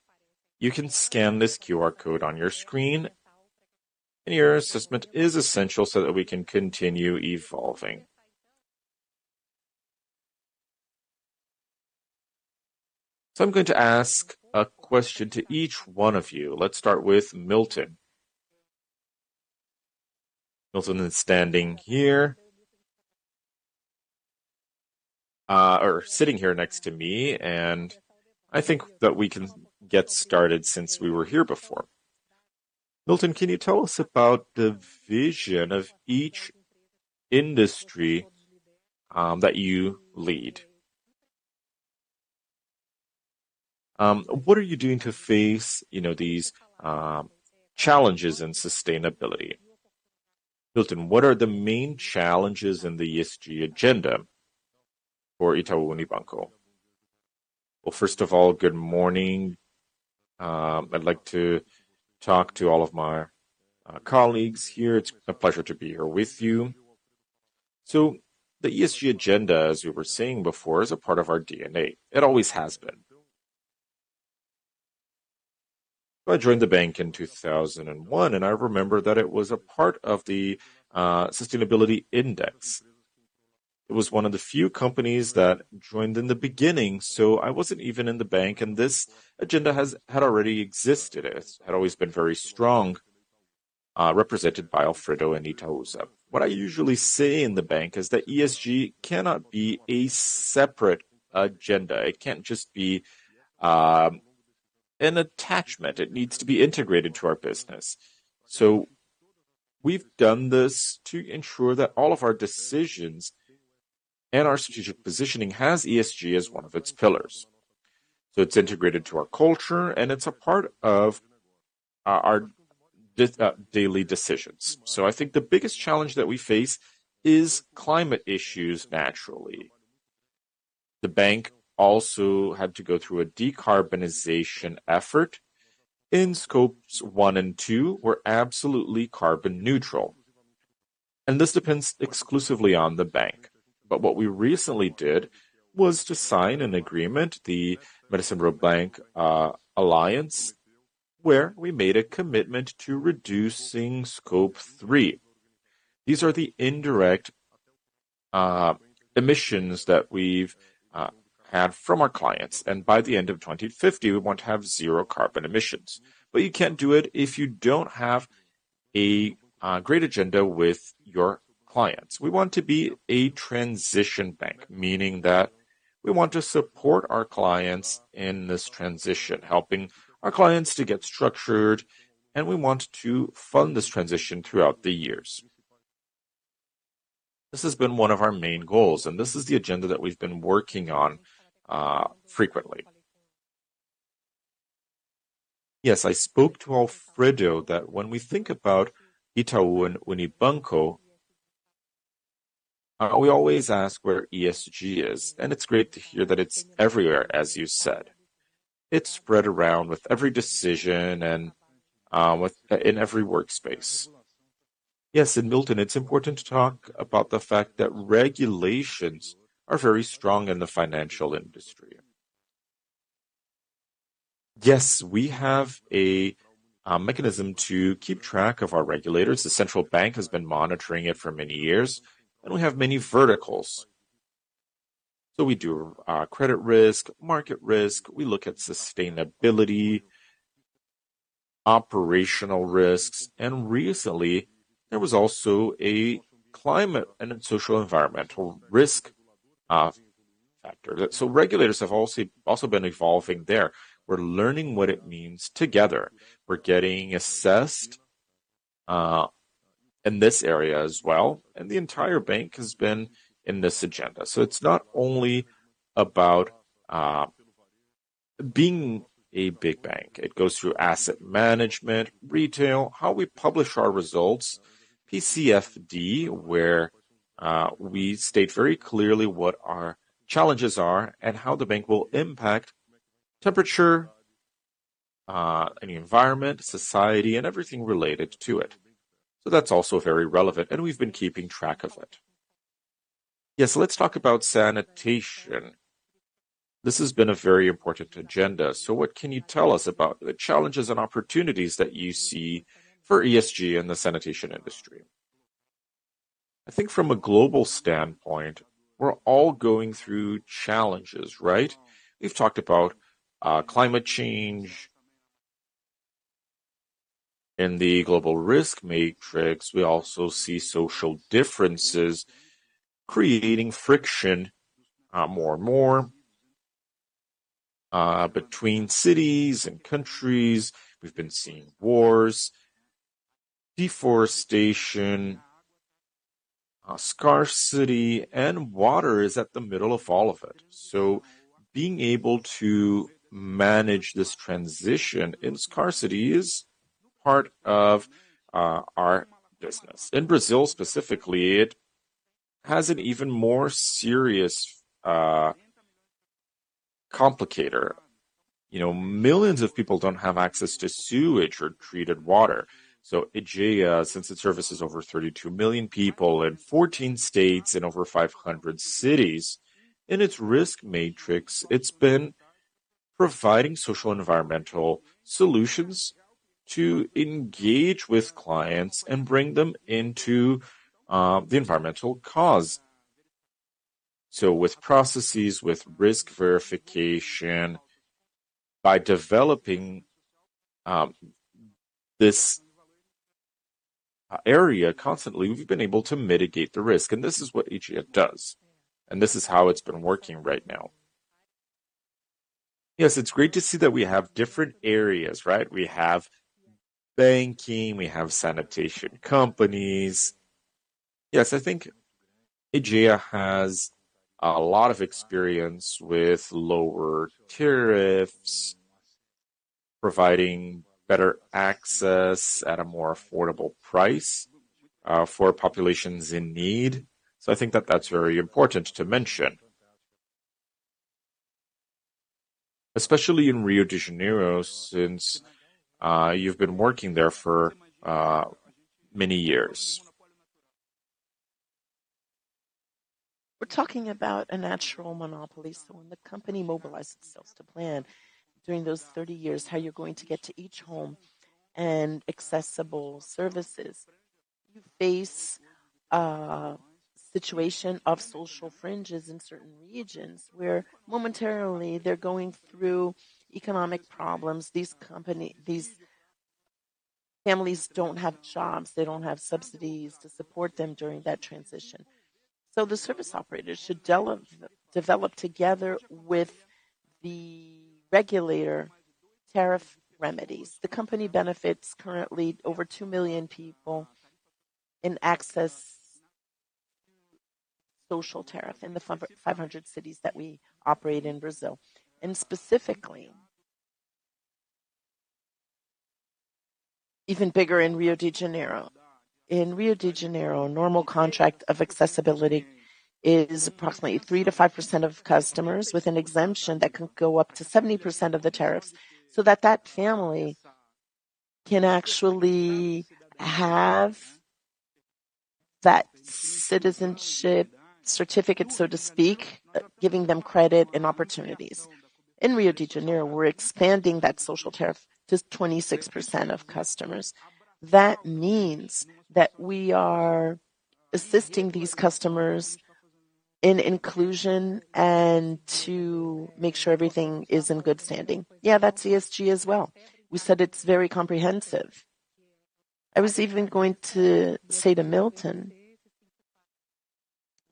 you can scan this QR code on your screen, and your assessment is essential so that we can continue evolving. I'm going to ask a question to each one of you. Let's start with Milton. Milton is standing here or sitting here next to me, and I think that we can get started since we were here before. Milton, can you tell us about the vision of each industry that you lead? What are you doing to face, you know, these challenges in sustainability? Milton, what are the main challenges in the ESG agenda for Itaú Unibanco? Well, first of all, good morning. I'd like to talk to all of my colleagues here. It's a pleasure to be here with you. The ESG agenda, as you were saying before, is a part of our DNA. It always has been. I joined the bank in 2001, and I remember that it was a part of the sustainability index. It was one of the few companies that joined in the beginning, so I wasn't even in the bank, and this agenda had already existed. It had always been very strong, represented by Alfredo and Itaúsa. What I usually say in the bank is that ESG cannot be a separate agenda. It can't just be an attachment. It needs to be integrated to our business. We've done this to ensure that all of our decisions and our strategic positioning has ESG as one of its pillars. It's integrated to our culture, and it's a part of our daily decisions. I think the biggest challenge that we face is climate issues, naturally. The bank also had to go through a decarbonization effort, and Scope 1 and Scope 2 were absolutely carbon neutral, and this depends exclusively on the bank. What we recently did was to sign an agreement, the Net-Zero Banking Alliance, where we made a commitment to reducing Scope 3. These are the indirect emissions that we've had from our clients, and by the end of 2050, we want to have zero carbon emissions. You can't do it if you don't have a great agenda with your clients. We want to be a transition bank, meaning that we want to support our clients in this transition, helping our clients to get structured, and we want to fund this transition throughout the years. This has been one of our main goals, and this is the agenda that we've been working on frequently. Yes. I spoke to Alfredo that when we think about Itaú Unibanco, we always ask where ESG is, and it's great to hear that it's everywhere, as you said. It's spread around with every decision and in every workspace. Yes. Milton, it's important to talk about the fact that regulations are very strong in the financial industry. Yes. We have a mechanism to keep track of our regulators. The central bank has been monitoring it for many years, and we have many verticals. We do credit risk, market risk. We look at sustainability, operational risks, and recently, there was also a climate and a socio-environmental risk factor. Regulators have also been evolving there. We're learning what it means together. We're getting assessed in this area as well, and the entire bank has been in this agenda. It's not only about being a big bank. It goes through asset management, retail, how we publish our results, TCFD, where we state very clearly what our challenges are and how the bank will impact temperature, and the environment, society, and everything related to it. That's also very relevant, and we've been keeping track of it. Yes, let's talk about sanitation. This has been a very important agenda. What can you tell us about the challenges and opportunities that you see for ESG in the sanitation industry? I think from a global standpoint, we're all going through challenges, right? We've talked about climate change. In the global risk matrix, we also see social differences creating friction more and more between cities and countries. We've been seeing wars, deforestation, scarcity, and water is at the middle of all of it. Being able to manage this transition in scarcity is part of our business. In Brazil, specifically, it has an even more serious complication. You know, millions of people don't have access to sewage or treated water. Aegea, since it services over 32 million people in 14 states and over 500 cities, in its risk matrix, it's been providing social and environmental solutions to engage with clients and bring them into the environmental cause. With processes, with risk verification, by developing this area constantly, we've been able to mitigate the risk. This is what Aegea does, and this is how it's been working right now. Yes, it's great to see that we have different areas, right? We have banking, we have sanitation companies. Yes, I think Aegea has a lot of experience with lower tariffs, providing better access at a more affordable price for populations in need. I think that that's very important to mention. Especially in Rio de Janeiro, since you've been working there for many years. We're talking about a natural monopoly, so when the company mobilizes itself to plan during those 30 years, how you're going to get to each home and accessible services. You face a situation of social fringes in certain regions where momentarily they're going through economic problems. These families don't have jobs. They don't have subsidies to support them during that transition. The service operators should develop together with the regulator tariff remedies. The company benefits currently over 2 million people with access to social tariff in the 500 cities that we operate in Brazil. Specifically, even bigger in Rio de Janeiro. In Rio de Janeiro, normal contract of accessibility is approximately 3%-5% of customers with an exemption that can go up to 70% of the tariffs, so that family can actually have that citizenship certificate, so to speak, giving them credit and opportunities. In Rio de Janeiro, we're expanding that social tariff to 26% of customers. That means that we are assisting these customers in inclusion and to make sure everything is in good standing. Yeah, that's ESG as well. We said it's very comprehensive. I was even going to say to Milton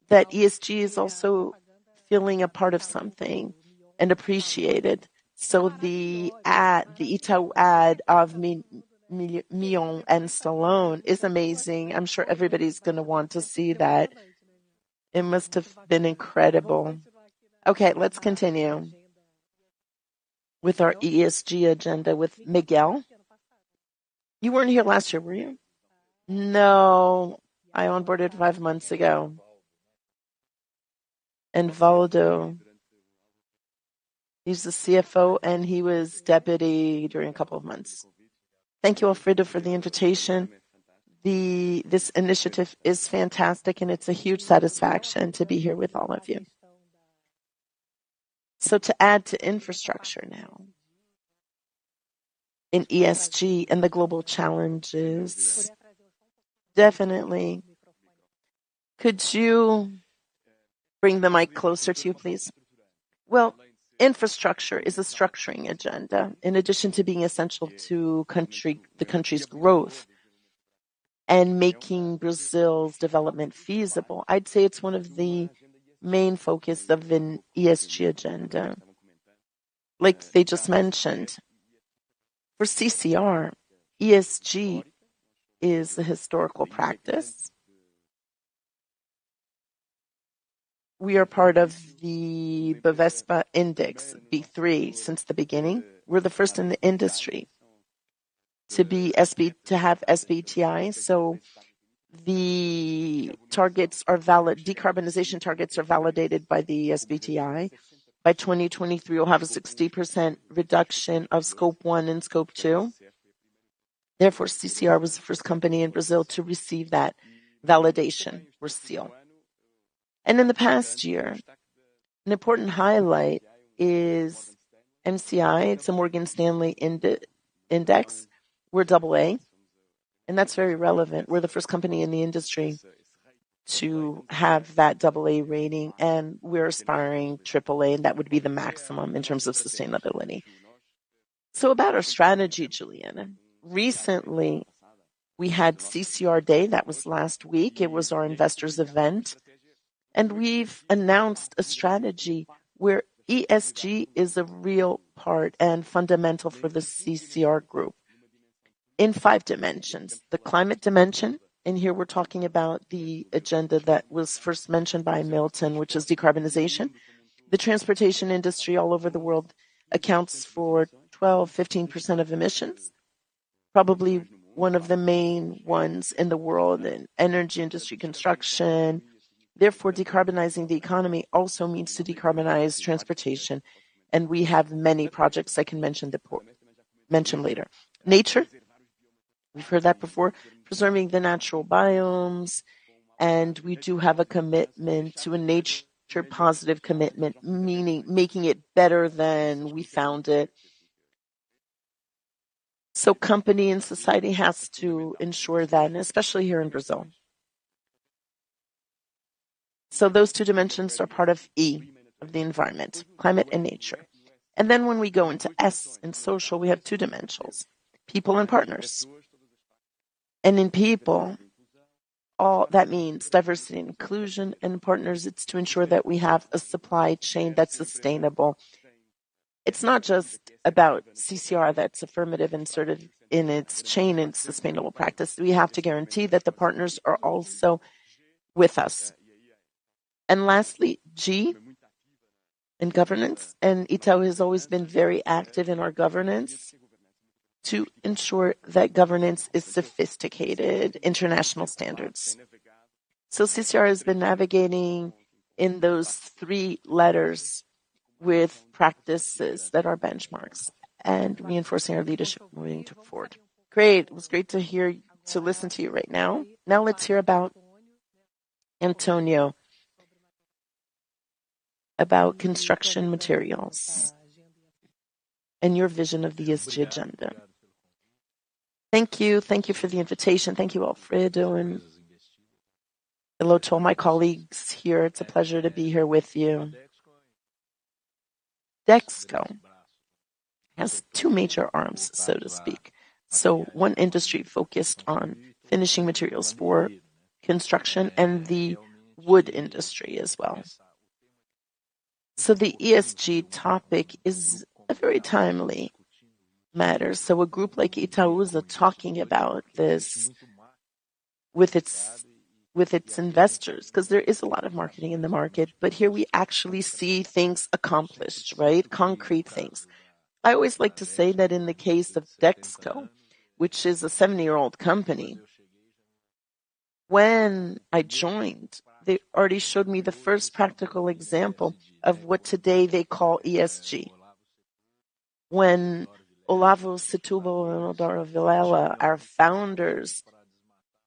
that ESG is also feeling a part of something and appreciated. The ad, the Itaú ad of Mion and Stallone is amazing. I'm sure everybody's gonna want to see that. It must have been incredible. Okay, let's continue with our ESG agenda with Miguel. You weren't here last year, were you? No, I onboarded five months ago. Waldo, he's the CFO, and he was deputy during a couple of months. Thank you, Alfredo, for the invitation. This initiative is fantastic, and it's a huge satisfaction to be here with all of you. To add to infrastructure now in ESG and the global challenges, definitely. Could you bring the mic closer to you, please? Well, infrastructure is a structuring agenda. In addition to being essential to the country's growth and making Brazil's development feasible, I'd say it's one of the main focus of an ESG agenda. Like they just mentioned, for CCR, ESG is a historical practice. We are part of the Ibovespa Index, B3, since the beginning. We're the first in the industry to have SBTi, so the decarbonization targets are validated by the SBTi. By 2023, we'll have a 60% reduction of Scope 1 and Scope 2. Therefore, CCR was the first company in Brazil to receive that validation or seal. In the past year, an important highlight is MSCI. It's a Morgan Stanley index. We're AA, and that's very relevant. We're the first company in the industry to have that AA rating, and we're aspiring AAA, and that would be the maximum in terms of sustainability. About our strategy, Juliana. Recently, we had CCR Day. That was last week. It was our investors event. We've announced a strategy where ESG is a real part and fundamental for the CCR group in five dimensions. The climate dimension, and here we're talking about the agenda that was first mentioned by Milton, which is decarbonization. The transportation industry all over the world accounts for 12%-15% of emissions, probably one of the main ones in the world, in energy industry construction. Therefore, decarbonizing the economy also means to decarbonize transportation, and we have many projects I can mention later. Nature, we've heard that before. Preserving the natural biomes, and we do have a commitment to a nature-positive commitment, meaning making it better than we found it. Company and society has to ensure that, and especially here in Brazil. Those two dimensions are part of E, of the environment, climate and nature. When we go into S, in social, we have two dimensions, people and partners. In people, all that means diversity and inclusion. In partners, it's to ensure that we have a supply chain that's sustainable. It's not just about CCR that's affirmatively inserted in its chain and sustainable practice. We have to guarantee that the partners are also with us. Lastly, G, in governance, and Itaú has always been very active in our governance to ensure that governance is sophisticated international standards. CCR has been navigating in those three letters with practices that are benchmarks and reinforcing our leadership moving forward. Great. It was great to listen to you right now. Now let's hear about Antonio, about construction materials and your vision of the ESG agenda. Thank you. Thank you for the invitation. Thank you, Alfredo, and hello to all my colleagues here. It's a pleasure to be here with you. Dexco has two major arms, so to speak. One industry focused on finishing materials for construction and the wood industry as well. The ESG topic is a very timely matter. A group like Itaú is talking about this with its investors, 'cause there is a lot of marketing in the market, but here we actually see things accomplished, right? Concrete things. I always like to say that in the case of Dexco, which is a 70-year-old company, when I joined, they already showed me the first practical example of what today they call ESG. When Olavo Setúbal and Eudoro Villela, our founders,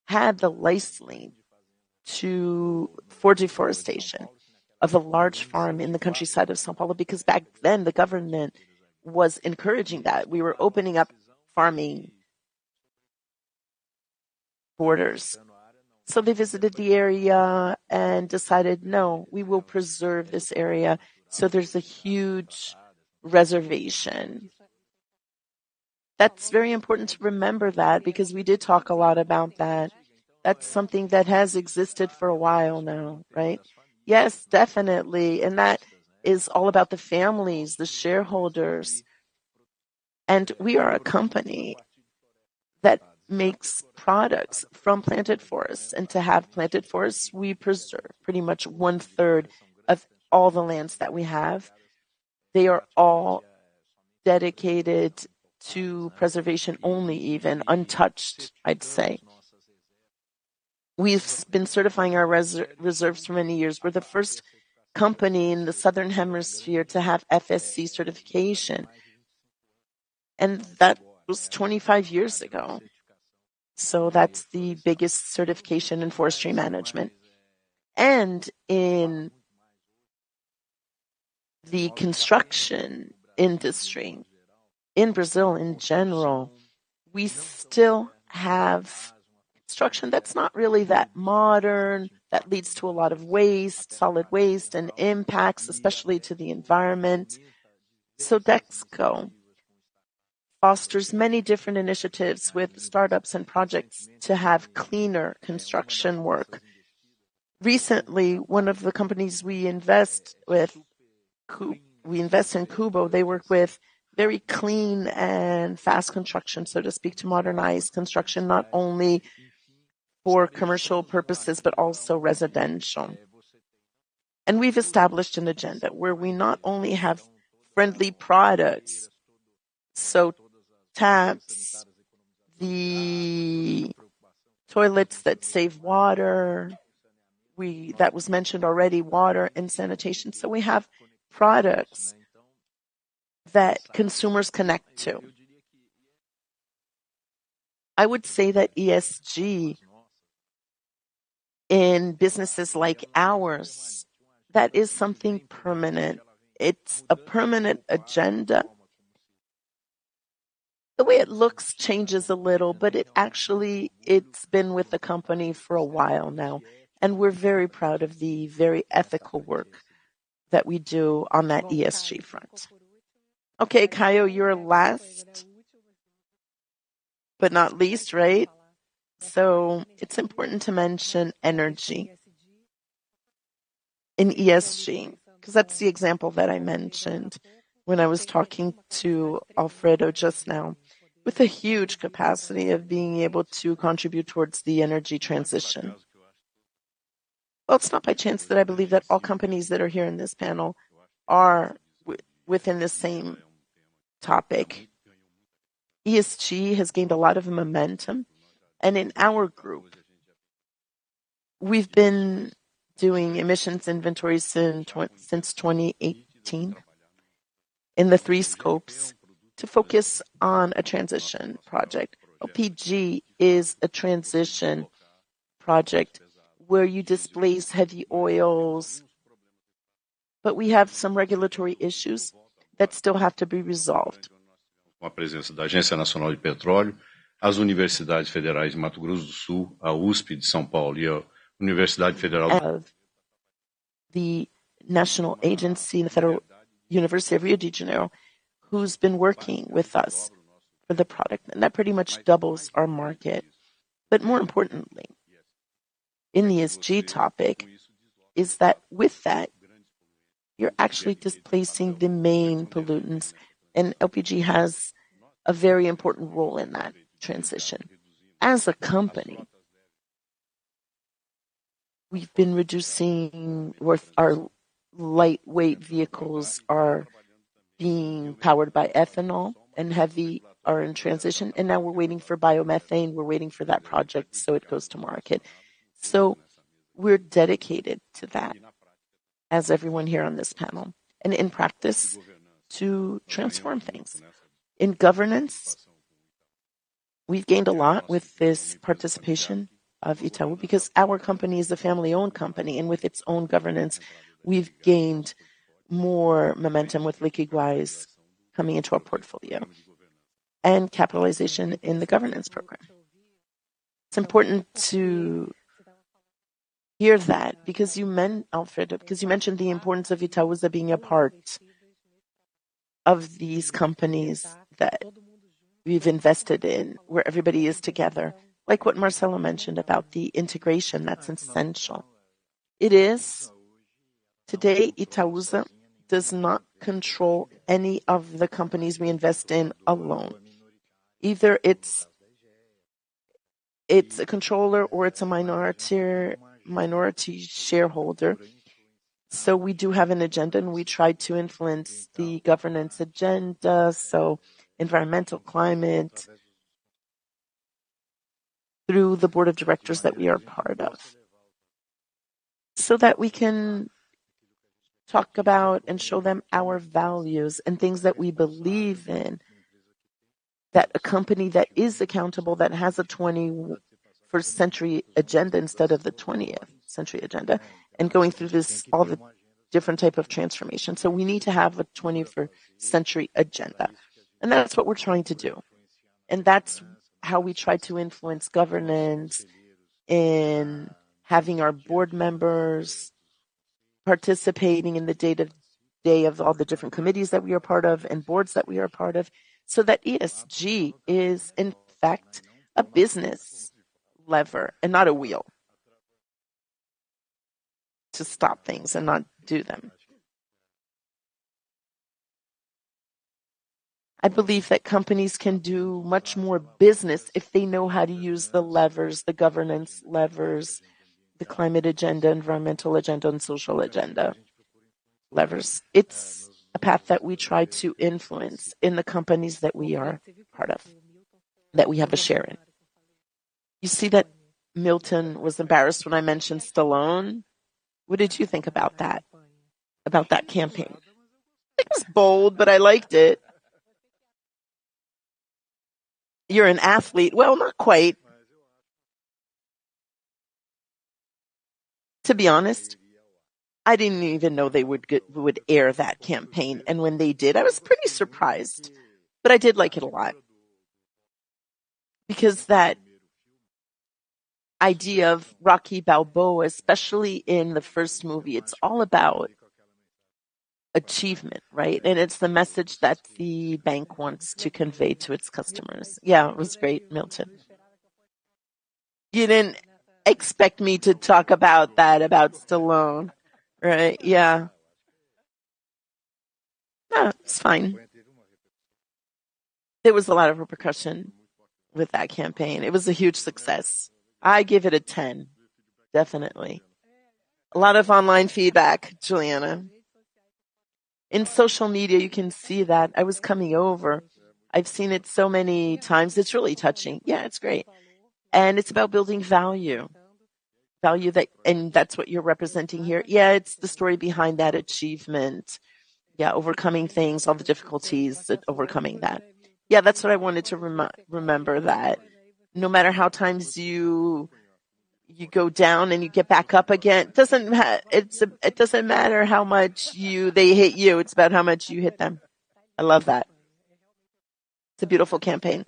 had the lease lien for deforestation of a large farm in the countryside of São Paulo, because back then the government was encouraging that. We were opening up farming borders. They visited the area and decided, "No, we will preserve this area." There's a huge reservation. That's very important to remember that because we did talk a lot about that. That's something that has existed for a while now, right? Yes, definitely. That is all about the families, the shareholders. We are a company that makes products from planted forests. To have planted forests, we preserve pretty much 1/3 of all the lands that we have. They are all dedicated to preservation only, even untouched, I'd say. We've been certifying our reserves for many years. We're the first company in the southern hemisphere to have FSC certification, and that was 25 years ago. That's the biggest certification in forestry management. In the construction industry in Brazil in general, we still have construction that's not really that modern, that leads to a lot of waste, solid waste, and impacts, especially to the environment. Dexco fosters many different initiatives with startups and projects to have cleaner construction work. Recently, one of the companies we invest with, we invest in Cubo, they work with very clean and fast construction, so to speak, to modernize construction not only for commercial purposes, but also residential. We've established an agenda where we not only have friendly products, so taps, these toilets that save water. That was mentioned already, water and sanitation. We have products that consumers connect to. I would say that ESG in businesses like ours, that is something permanent. It's a permanent agenda. The way it looks changes a little, but it actually, it's been with the company for a while now, and we're very proud of the very ethical work that we do on that ESG front. Okay, Caio, you're last, but not least, right? It's important to mention energy in ESG, 'cause that's the example that I mentioned when I was talking to Alfredo just now. With a huge capacity of being able to contribute towards the energy transition. Well, it's not by chance that I believe that all companies that are here in this panel are within the same topic. ESG has gained a lot of momentum, and in our group, we've been doing emissions inventories since 2018 in the three scopes to focus on a transition project. LPG is a transition project where you displace heavy oils. But we have some regulatory issues that still have to be resolved. Of the National Agency, the Federal University of Rio de Janeiro, who's been working with us for the product, and that pretty much doubles our market. But more importantly, in the ESG topic is that with that, you're actually displacing the main pollutants, and LPG has a very important role in that transition. As a company, we've been reducing our lightweight vehicles are being powered by ethanol, and heavy are in transition, and now we're waiting for biomethane, we're waiting for that project, so it goes to market. We're dedicated to that, as everyone here on this panel, and in practice, to transform things. In governance, we've gained a lot with this participation of Itaú, because our company is a family-owned company, and with its own governance, we've gained more momentum with Liquigás coming into our portfolio and capitalization in the governance program. It's important to hear that because Alfredo, because you mentioned the importance of Itaúsa being a part of these companies that we've invested in, where everybody is together. Like what Marcelo mentioned about the integration, that's essential. It is. Today, Itaúsa does not control any of the companies we invest in alone. Either it's a controller or it's a minority shareholder. We do have an agenda, and we try to influence the governance agenda, so environmental climate, through the board of directors that we are part of, so that we can talk about and show them our values and things that we believe in, that a company that is accountable, that has a 21st century agenda instead of the 20th century agenda, and going through this, all the different type of transformation. We need to have a 21st century agenda. That's what we're trying to do. That's how we try to influence governance in having our board members participating in the day to day of all the different committees that we are part of and boards that we are part of, so that ESG is in fact a business lever and not a wheel to stop things and not do them. I believe that companies can do much more business if they know how to use the levers, the governance levers, the climate agenda, environmental agenda, and social agenda levers. It's a path that we try to influence in the companies that we are part of, that we have a share in. You see that Milton was embarrassed when I mentioned Stallone. What did you think about that, about that campaign? It was bold, but I liked it. You're an athlete. Well, not quite. To be honest, I didn't even know they would air that campaign. When they did, I was pretty surprised. I did like it a lot because that idea of Rocky Balboa, especially in the first movie, it's all about achievement, right? It's the message that the bank wants to convey to its customers. Yeah, it was great, Milton. You didn't expect me to talk about that, about Stallone, right? Yeah. No, it's fine. There was a lot of repercussion with that campaign. It was a huge success. I give it a 10, definitely. A lot of online feedback, Juliana. In social media, you can see that I was commenting. I've seen it so many times. It's really touching. Yeah, it's great. It's about building value. Value, and that's what you're representing here. Yeah, it's the story behind that achievement. Yeah, overcoming things, all the difficulties, overcoming that. Yeah, that's what I wanted to remember that no matter how many times you go down and you get back up again, it doesn't matter how much they hit you, it's about how much you hit them. I love that. It's a beautiful campaign.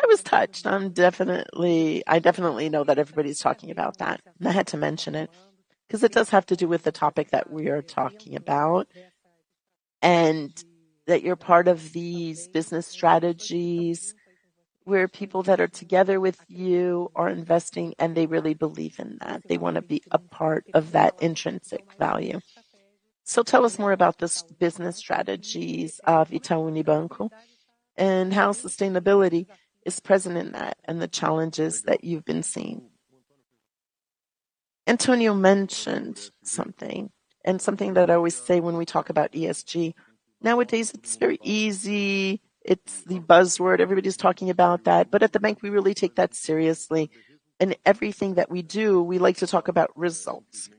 I was touched. I definitely know that everybody's talking about that, and I had to mention it 'cause it does have to do with the topic that we are talking about, and that you're part of these business strategies where people that are together with you are investing, and they really believe in that. They wanna be a part of that intrinsic value. Tell us more about this business strategies of Itaú Unibanco and how sustainability is present in that and the challenges that you've been seeing. Antonio mentioned something, and something that I always say when we talk about ESG. Nowadays, it's very easy. It's the buzzword. Everybody's talking about that. At the bank, we really take that seriously. In everything that we do, we like to talk about results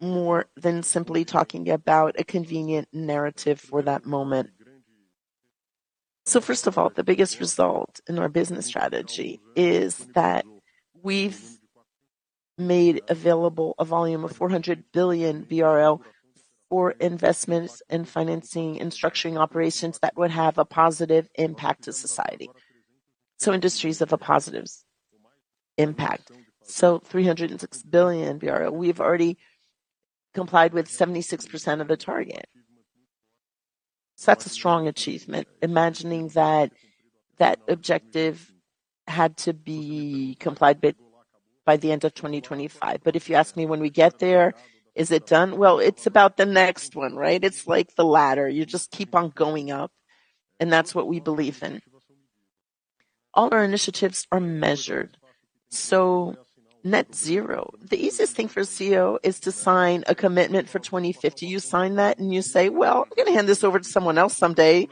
more than simply talking about a convenient narrative for that moment. First of all, the biggest result in our business strategy is that we've made available a volume of 400 billion for investments in financing and structuring operations that would have a positive impact to society. Industries of a positive impact. 306 billion. We've already complied with 76% of the target. That's a strong achievement. Imagining that that objective had to be complied by the end of 2025. If you ask me when we get there, is it done? Well, it's about the next one, right? It's like the ladder. You just keep on going up, and that's what we believe in. All our initiatives are measured. Net zero. The easiest thing for a CEO is to sign a commitment for 2050. You sign that, and you say, "Well, I'm gonna hand this over to someone else someday."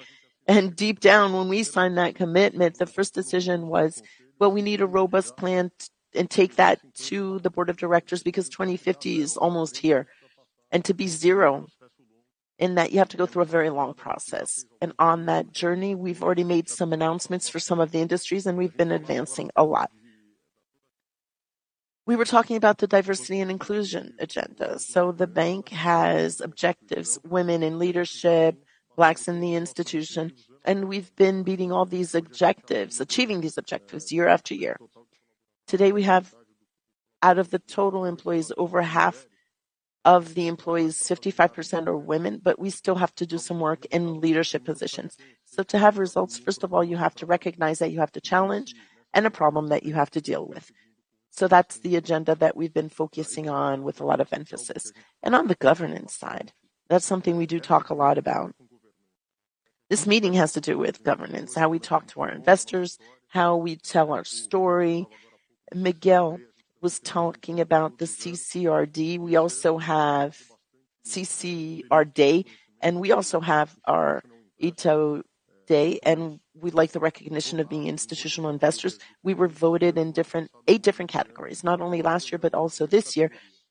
Deep down, when we signed that commitment, the first decision was, well, we need a robust plan and take that to the board of directors because 2050 is almost here. To be zero in that, you have to go through a very long process. On that journey, we've already made some announcements for some of the industries, and we've been advancing a lot. We were talking about the diversity and inclusion agenda. The bank has objectives, women in leadership, blacks in the institution, and we've been beating all these objectives, achieving these objectives year-after-year. Today, we have, out of the total employees, over half of the employees, 55% are women, but we still have to do some work in leadership positions. To have results, first of all, you have to recognize that you have to challenge and a problem that you have to deal with. That's the agenda that we've been focusing on with a lot of emphasis. On the governance side, that's something we do talk a lot about. This meeting has to do with governance, how we talk to our investors, how we tell our story. Miguel was talking about the CCR Day. We also have CCR Day, and we also have our Itaú Day, and we like the recognition of being institutional investors. We were voted in eight different categories, not only last year but also this year.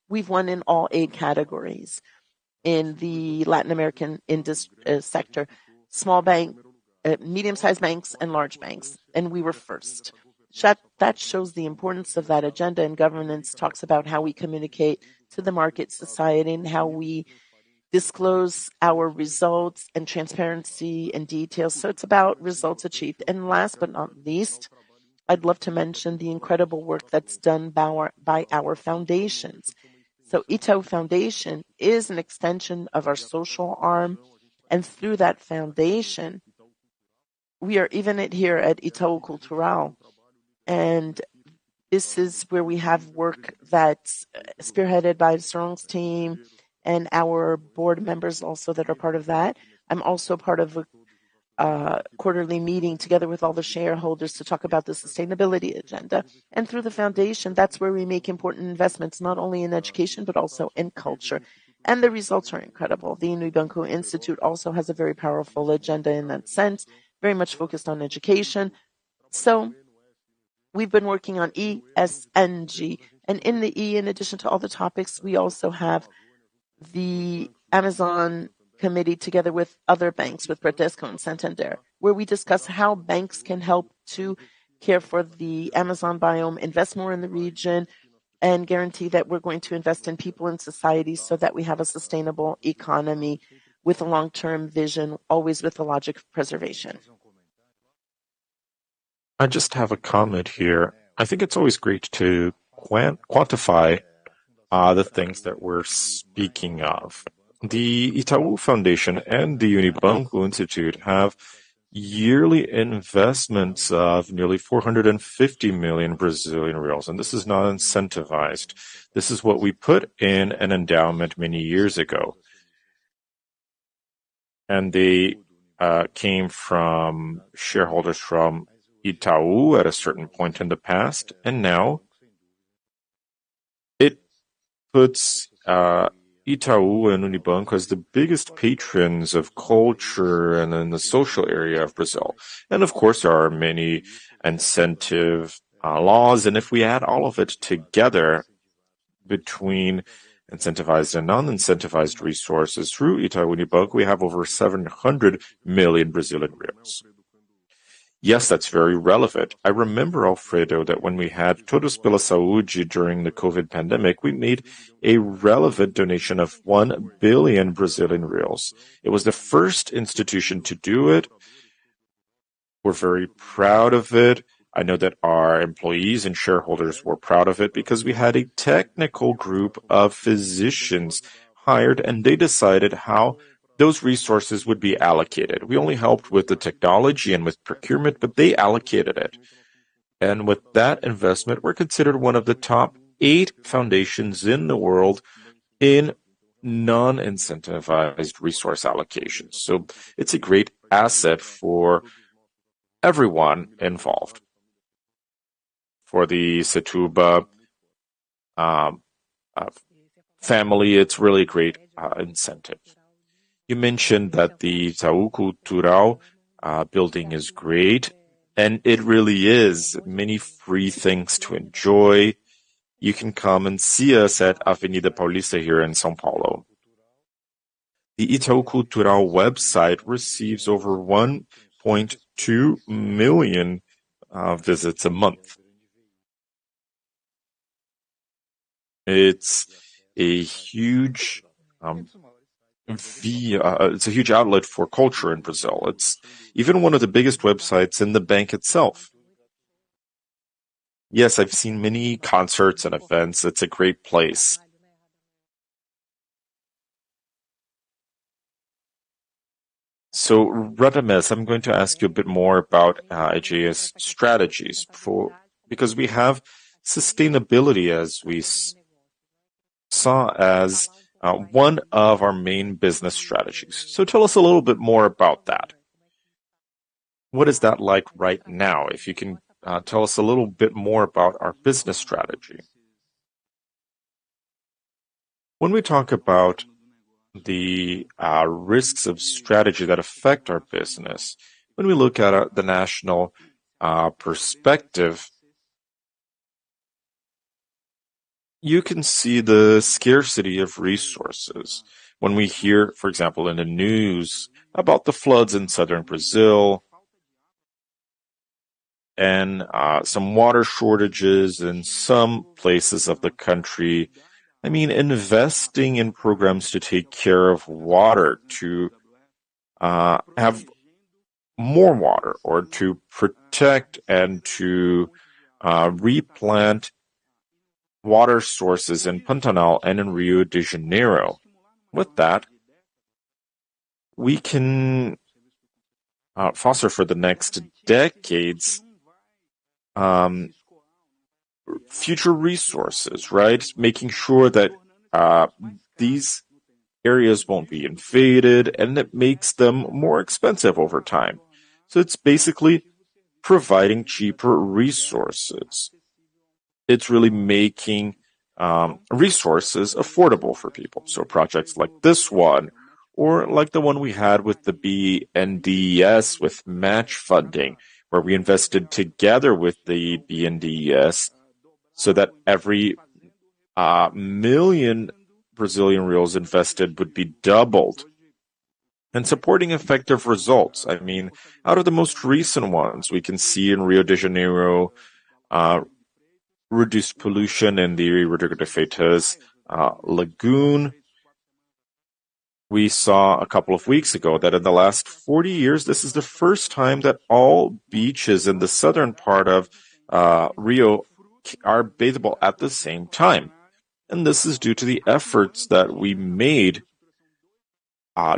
We've won in all eight categories in the Latin American sector, small bank, medium-sized banks, and large banks, and we were first. That shows the importance of that agenda, and governance talks about how we communicate to the market society and how we disclose our results and transparency and details. It's about results achieved. Last but not least, I'd love to mention the incredible work that's done by our foundations. Itaú Foundation is an extension of our social arm. Through that foundation, we are even here at Itaú Cultural, and this is where we have work that's spearheaded by Sergio's team and our board members also that are part of that. I'm also part of a quarterly meeting together with all the shareholders to talk about the sustainability agenda. Through the foundation, that's where we make important investments, not only in education, but also in culture. The results are incredible. Unibanco Institute also has a very powerful agenda in that sense, very much focused on education. We've been working on ESG. In the E, in addition to all the topics, we also have the Amazon committee, together with other banks, with Bradesco and Santander, where we discuss how banks can help to care for the Amazon biome, invest more in the region, and guarantee that we're going to invest in people and society so that we have a sustainable economy with a long-term vision, always with the logic of preservation. I just have a comment here. I think it's always great to quantify the things that we're speaking of. The Itaú Foundation and the Unibanco Institute have yearly investments of nearly 450 million Brazilian reais, and this is not incentivized. This is what we put in an endowment many years ago. They came from shareholders from Itaú at a certain point in the past, and now it puts Itaú and Unibanco as the biggest patrons of culture and in the social area of Brazil. Of course, there are many incentive laws, and if we add all of it together between incentivized and non-incentivized resources through Itaú Unibanco, we have over 700 million Brazilian reais. Yes, that's very relevant. I remember, Alfredo, that when we had Todos pela Saúde during the COVID pandemic, we made a relevant donation of 1 billion Brazilian reais. It was the first institution to do it. We're very proud of it. I know that our employees and shareholders were proud of it because we had a technical group of physicians hired, and they decided how those resources would be allocated. We only helped with the technology and with procurement, but they allocated it. With that investment, we're considered one of the top eight foundations in the world in non-incentivized resource allocation. It's a great asset for everyone involved. For the Setúbal family, it's really a great incentive. You mentioned that the Itaú Cultural building is great, and it really is many free things to enjoy. You can come and see us at Avenida Paulista here in São Paulo. The Itaú Cultural website receives over 1.2 million visits a month. It's a huge outlet for culture in Brazil. It's even one of the biggest websites in the bank itself. Yes, I've seen many concerts and events. It's a great place. Radamés, I'm going to ask you a bit more about Aegea's strategies for because we have sustainability, as we saw as one of our main business strategies. Tell us a little bit more about that. What is that like right now? If you can tell us a little bit more about our business strategy. When we talk about the risks of strategy that affect our business, when we look at the national perspective, you can see the scarcity of resources. When we hear, for example, in the news about the floods in southern Brazil and some water shortages in some places of the country, I mean, investing in programs to take care of water, to have more water or to protect and to replant water sources in Pantanal and in Rio de Janeiro. With that, we can foster for the next decades future resources, right? Making sure that these areas won't be invaded, and it makes them more expensive over time. It's basically providing cheaper resources. It's really making resources affordable for people. Projects like this one or like the one we had with the BNDES with match funding, where we invested together with the BNDES so that every 1 million Brazilian reais invested would be doubled and supporting effective results. I mean, out of the most recent ones, we can see in Rio de Janeiro reduced pollution in the Rodrigo de Freitas Lagoon. We saw a couple of weeks ago that in the last 40 years, this is the first time that all beaches in the southern part of Rio are bathable at the same time. This is due to the efforts that we made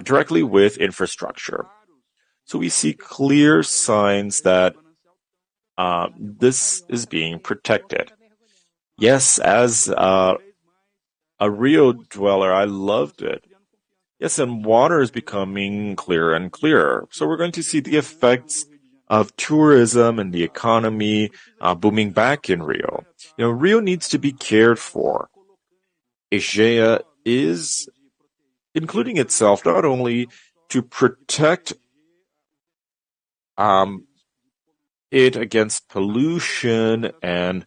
directly with infrastructure. We see clear signs that this is being protected. Yes, as a Rio dweller, I loved it. Yes, and water is becoming clearer and clearer. We're going to see the effects of tourism and the economy booming back in Rio. You know, Rio needs to be cared for. Aegea is including itself not only to protect it against pollution and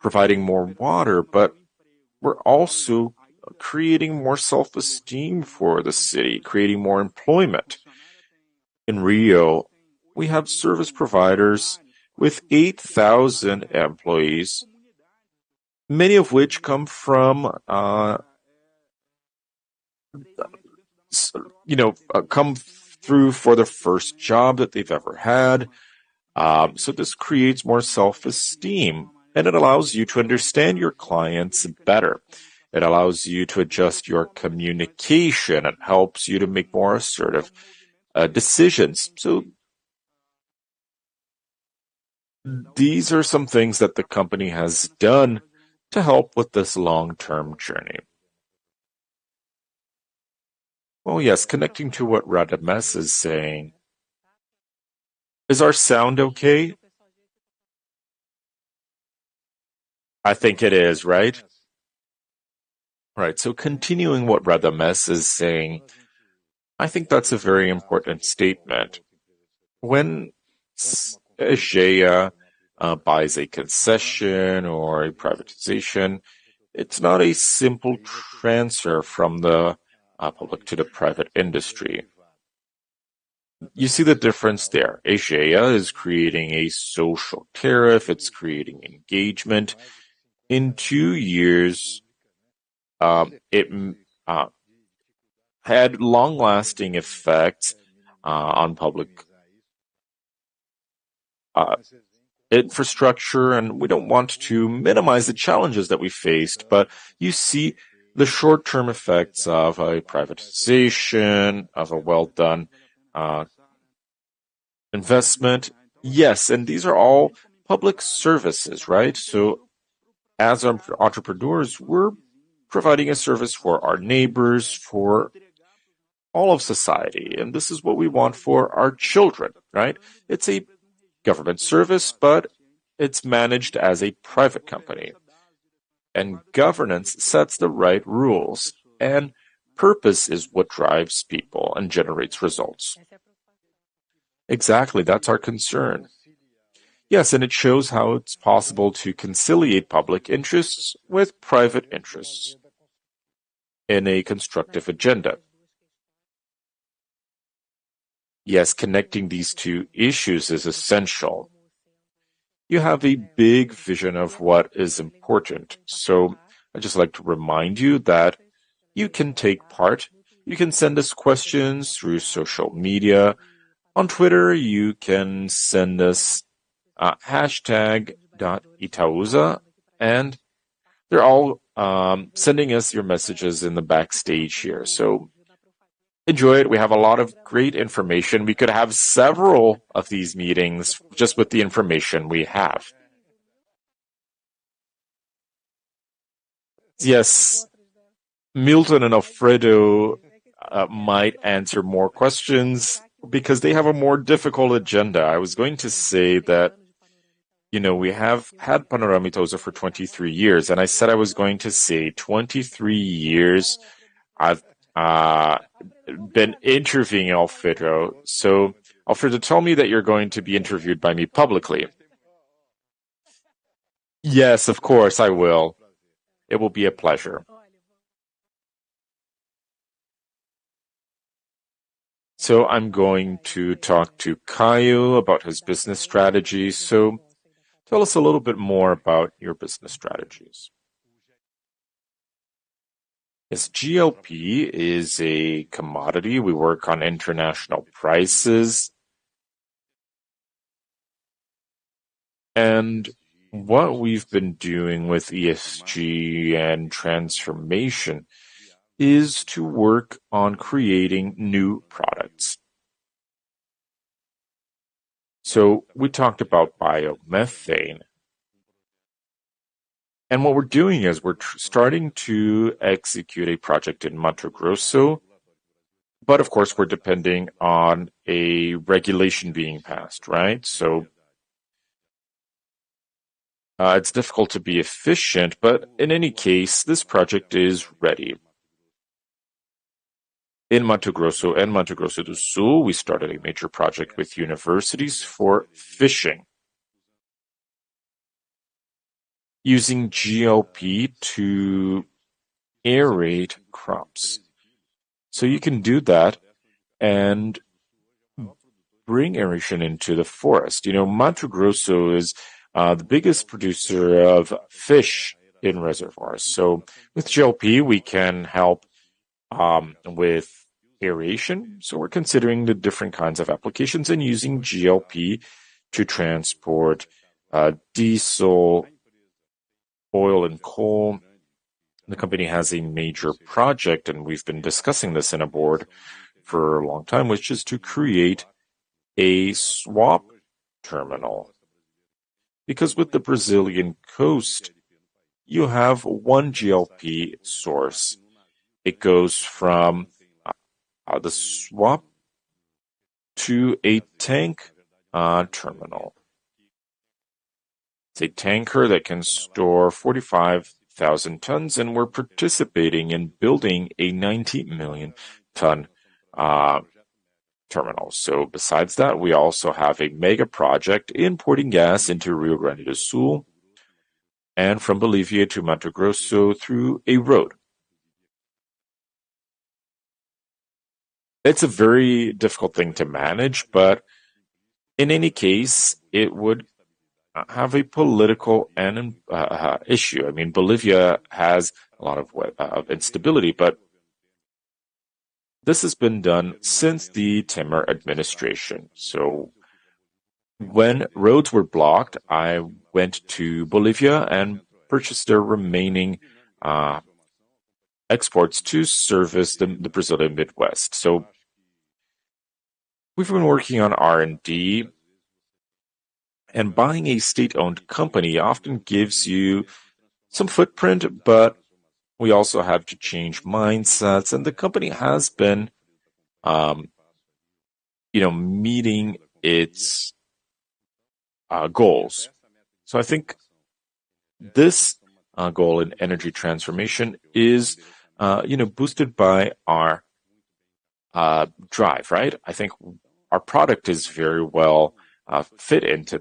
providing more water, but we're also creating more self-esteem for the city, creating more employment. In Rio, we have service providers with 8,000 employees, many of which come from you know come through for the first job that they've ever had. This creates more self-esteem, and it allows you to understand your clients better. It allows you to adjust your communication. It helps you to make more assertive decisions. These are some things that the company has done to help with this long-term journey. Oh, yes, connecting to what Radamés is saying. Is our sound okay? I think it is, right? Right. Continuing what Radamés is saying, I think that's a very important statement. When Aegea buys a concession or a privatization, it's not a simple transfer from the public to the private industry. You see the difference there. Aegea is creating a social tariff. It's creating engagement. In two years, it had long-lasting effects on public infrastructure, and we don't want to minimize the challenges that we faced. You see the short-term effects of a privatization, of a well-done investment. Yes, and these are all public services, right? As entrepreneurs, we're providing a service for our neighbors, for all of society, and this is what we want for our children, right? It's a government service, but it's managed as a private company. Governance sets the right rules, and purpose is what drives people and generates results. Exactly. That's our concern. It shows how it's possible to conciliate public interests with private interests in a constructive agenda. Connecting these two issues is essential. You have a big vision of what is important. I'd just like to remind you that you can take part. You can send us questions through social media. On Twitter, you can send us #Itaúsa, and they're all sending us your messages in the backstage here. Enjoy it. We have a lot of great information. We could have several of these meetings just with the information we have. Milton and Alfredo might answer more questions because they have a more difficult agenda. I was going to say that we have had Panorama Itaúsa for 23 years, and I've been interviewing Alfredo. Alfredo, tell me that you're going to be interviewed by me publicly. Yes, of course, I will. It will be a pleasure. I'm going to talk to Caio about his business strategy. Tell us a little bit more about your business strategies. As GLP is a commodity, we work on international prices. What we've been doing with ESG and transformation is to work on creating new products. We talked about biomethane, and what we're doing is we're starting to execute a project in Mato Grosso, but of course, we're depending on a regulation being passed, right? It's difficult to be efficient, but in any case, this project is ready. In Mato Grosso and Mato Grosso do Sul, we started a major project with universities for fishing using GLP to aerate crops. You can do that and bring aeration into the forest. You know, Mato Grosso is the biggest producer of fish in reservoirs. With GLP, we can help with aeration. We're considering the different kinds of applications and using GLP to transport diesel, oil, and coal. The company has a major project, and we've been discussing this in a board for a long time, which is to create a SWAP terminal. Because with the Brazilian coast, you have one GLP source. It goes from the SWAP to a tank terminal. It's a tanker that can store 45,000 tons, and we're participating in building a 90 million ton terminal. Besides that, we also have a mega project importing gas into Rio Grande do Sul, and from Bolivia to Mato Grosso through a road. It's a very difficult thing to manage, but in any case, it would have a political and issue. I mean, Bolivia has a lot of instability, but this has been done since the Temer administration. When roads were blocked, I went to Bolivia and purchased their remaining exports to service the Brazilian Midwest. We've been working on R&D, and buying a state-owned company often gives you some footprint, but we also have to change mindsets. The company has been, you know, meeting its goals. I think this goal in energy transformation is, you know, boosted by our drive, right? I think our product is very well fit into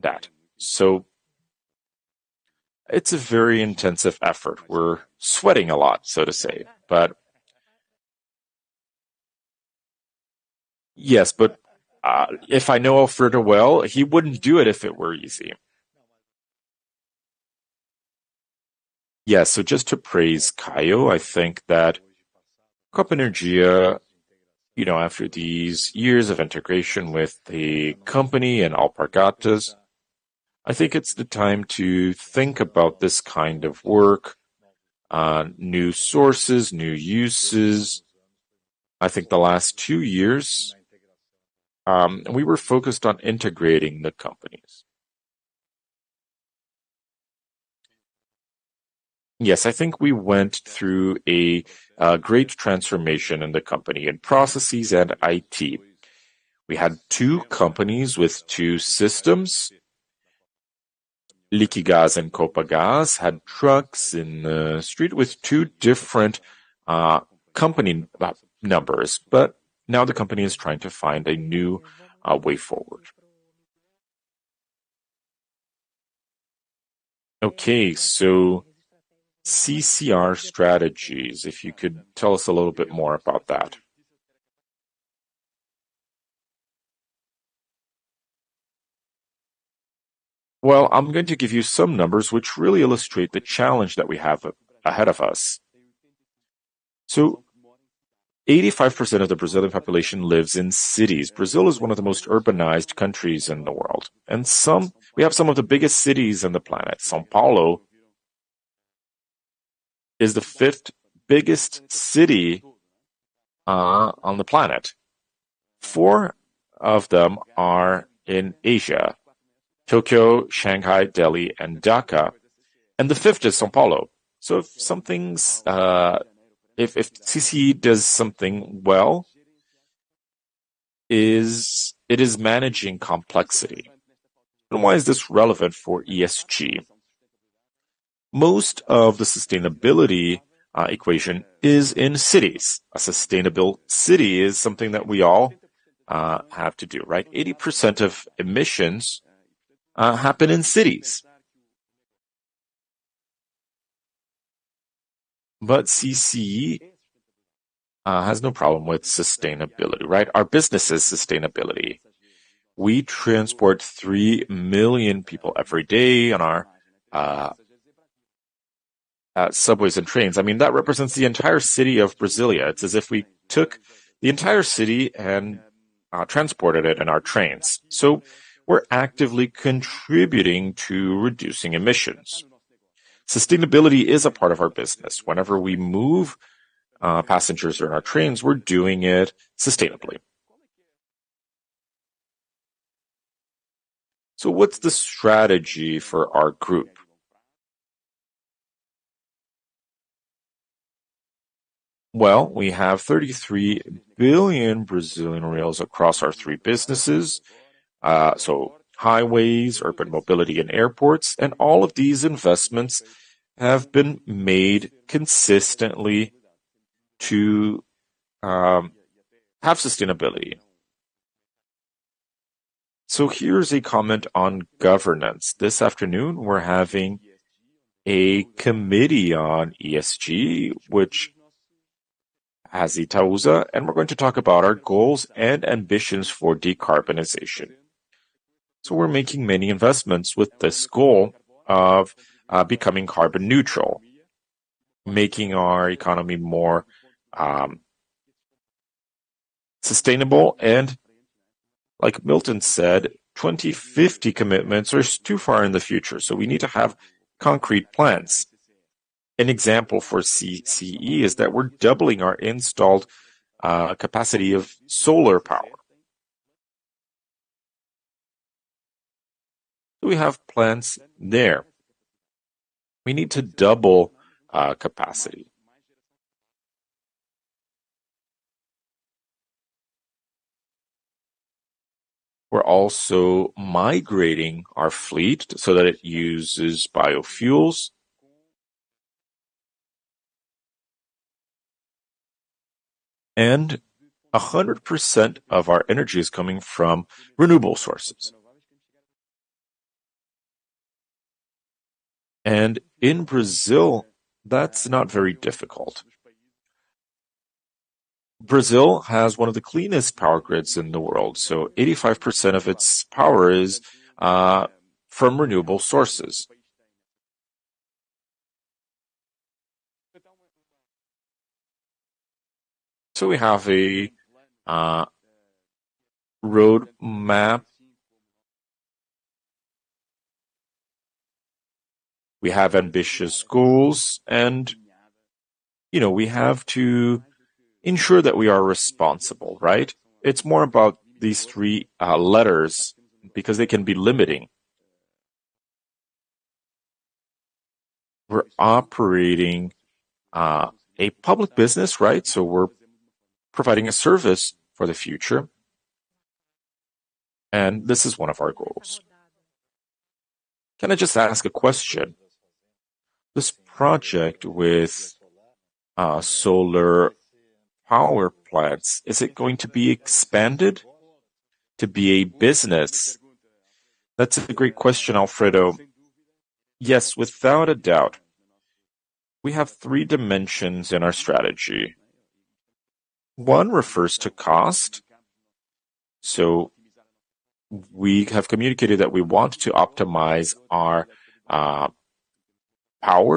that. It's a very intensive effort. We're sweating a lot, so to say, but. Yes, but if I know Alfredo well, he wouldn't do it if it were easy. Yeah. Just to praise Caio, I think that Copa Energia, you know, after these years of integration with the company and Alpargatas, I think it's the time to think about this kind of work, new sources, new uses. I think the last two years, we were focused on integrating the companies. Yes. I think we went through a great transformation in the company in processes and IT. We had two companies with two systems. Liquigás and Copagaz had trucks in the street with two different company numbers, but now the company is trying to find a new way forward. Okay. CCR strategies, if you could tell us a little bit more about that. Well, I'm going to give you some numbers which really illustrate the challenge that we have ahead of us. 85% of the Brazilian population lives in cities. Brazil is one of the most urbanized countries in the world. We have some of the biggest cities on the planet. São Paulo is the fifth biggest city on the planet. Four of them are in Asia: Tokyo, Shanghai, Delhi, and Dhaka, and the fifth is São Paulo. If something's, if CCR does something well, it is managing complexity. Why is this relevant for ESG? Most of the sustainability equation is in cities. A sustainable city is something that we all have to do, right? 80% of emissions happen in cities. CCR has no problem with sustainability, right? Our business is sustainability. We transport 3 million people every day on our subways and trains. I mean, that represents the entire city of Brasília. It's as if we took the entire city and transported it in our trains. We're actively contributing to reducing emissions. Sustainability is a part of our business. Whenever we move passengers in our trains, we're doing it sustainably. What's the strategy for our group? Well, we have 33 billion Brazilian reais across our three businesses. Highways, urban mobility, and airports, and all of these investments have been made consistently to have sustainability. Here's a comment on governance. This afternoon, we're having a committee on ESG, which has Itaúsa, and we're going to talk about our goals and ambitions for decarbonization. We're making many investments with this goal of becoming carbon neutral, making our economy more sustainable. Like Milton said, 2050 commitments are too far in the future, so we need to have concrete plans. An example for CCR is that we're doubling our installed capacity of solar power. We have plans there. We need to double our capacity. We're also migrating our fleet so that it uses biofuels. 100% of our energy is coming from renewable sources. In Brazil, that's not very difficult. Brazil has one of the cleanest power grids in the world, so 85% of its power is from renewable sources. We have a roadmap. We have ambitious goals, and you know, we have to ensure that we are responsible, right? It's more about these three letters because they can be limiting. We're operating a public business, right? We're providing a service for the future. This is one of our goals. Can I just ask a question? This project with solar power plants, is it going to be expanded to be a business? That's a great question, Alfredo. Yes, without a doubt. We have three dimensions in our strategy. One refers to cost. We have communicated that we want to optimize our power,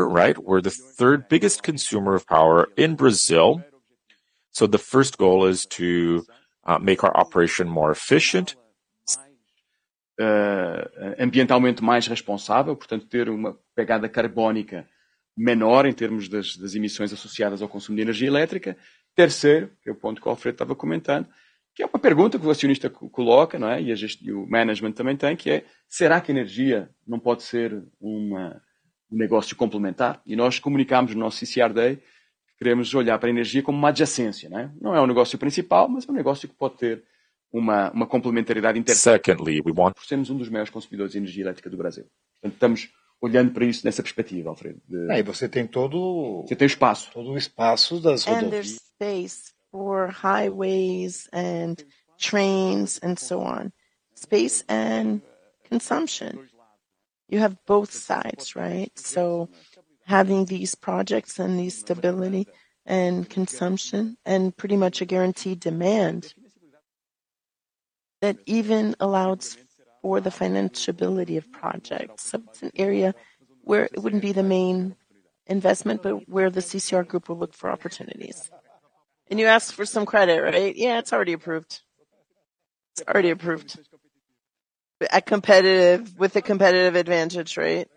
right? We're the third biggest consumer of power in Brazil. The first goal is to make our operation more efficient. Secondly, we want. We're one of the biggest consumers of electricity in Brazil. We're looking at it from that perspective, Alfredo. And you have all the- You have the space. All the space of the highways. There's space for highways and trains and so on. Space and consumption. You have both sides, right? Having these projects and the stability and consumption and pretty much a guaranteed demand that even allows for the financeability of projects. It's an area where it wouldn't be the main investment, but where the CCR Group will look for opportunities. You asked for some credit, right? Yeah, it's already approved. With a competitive advantage rate.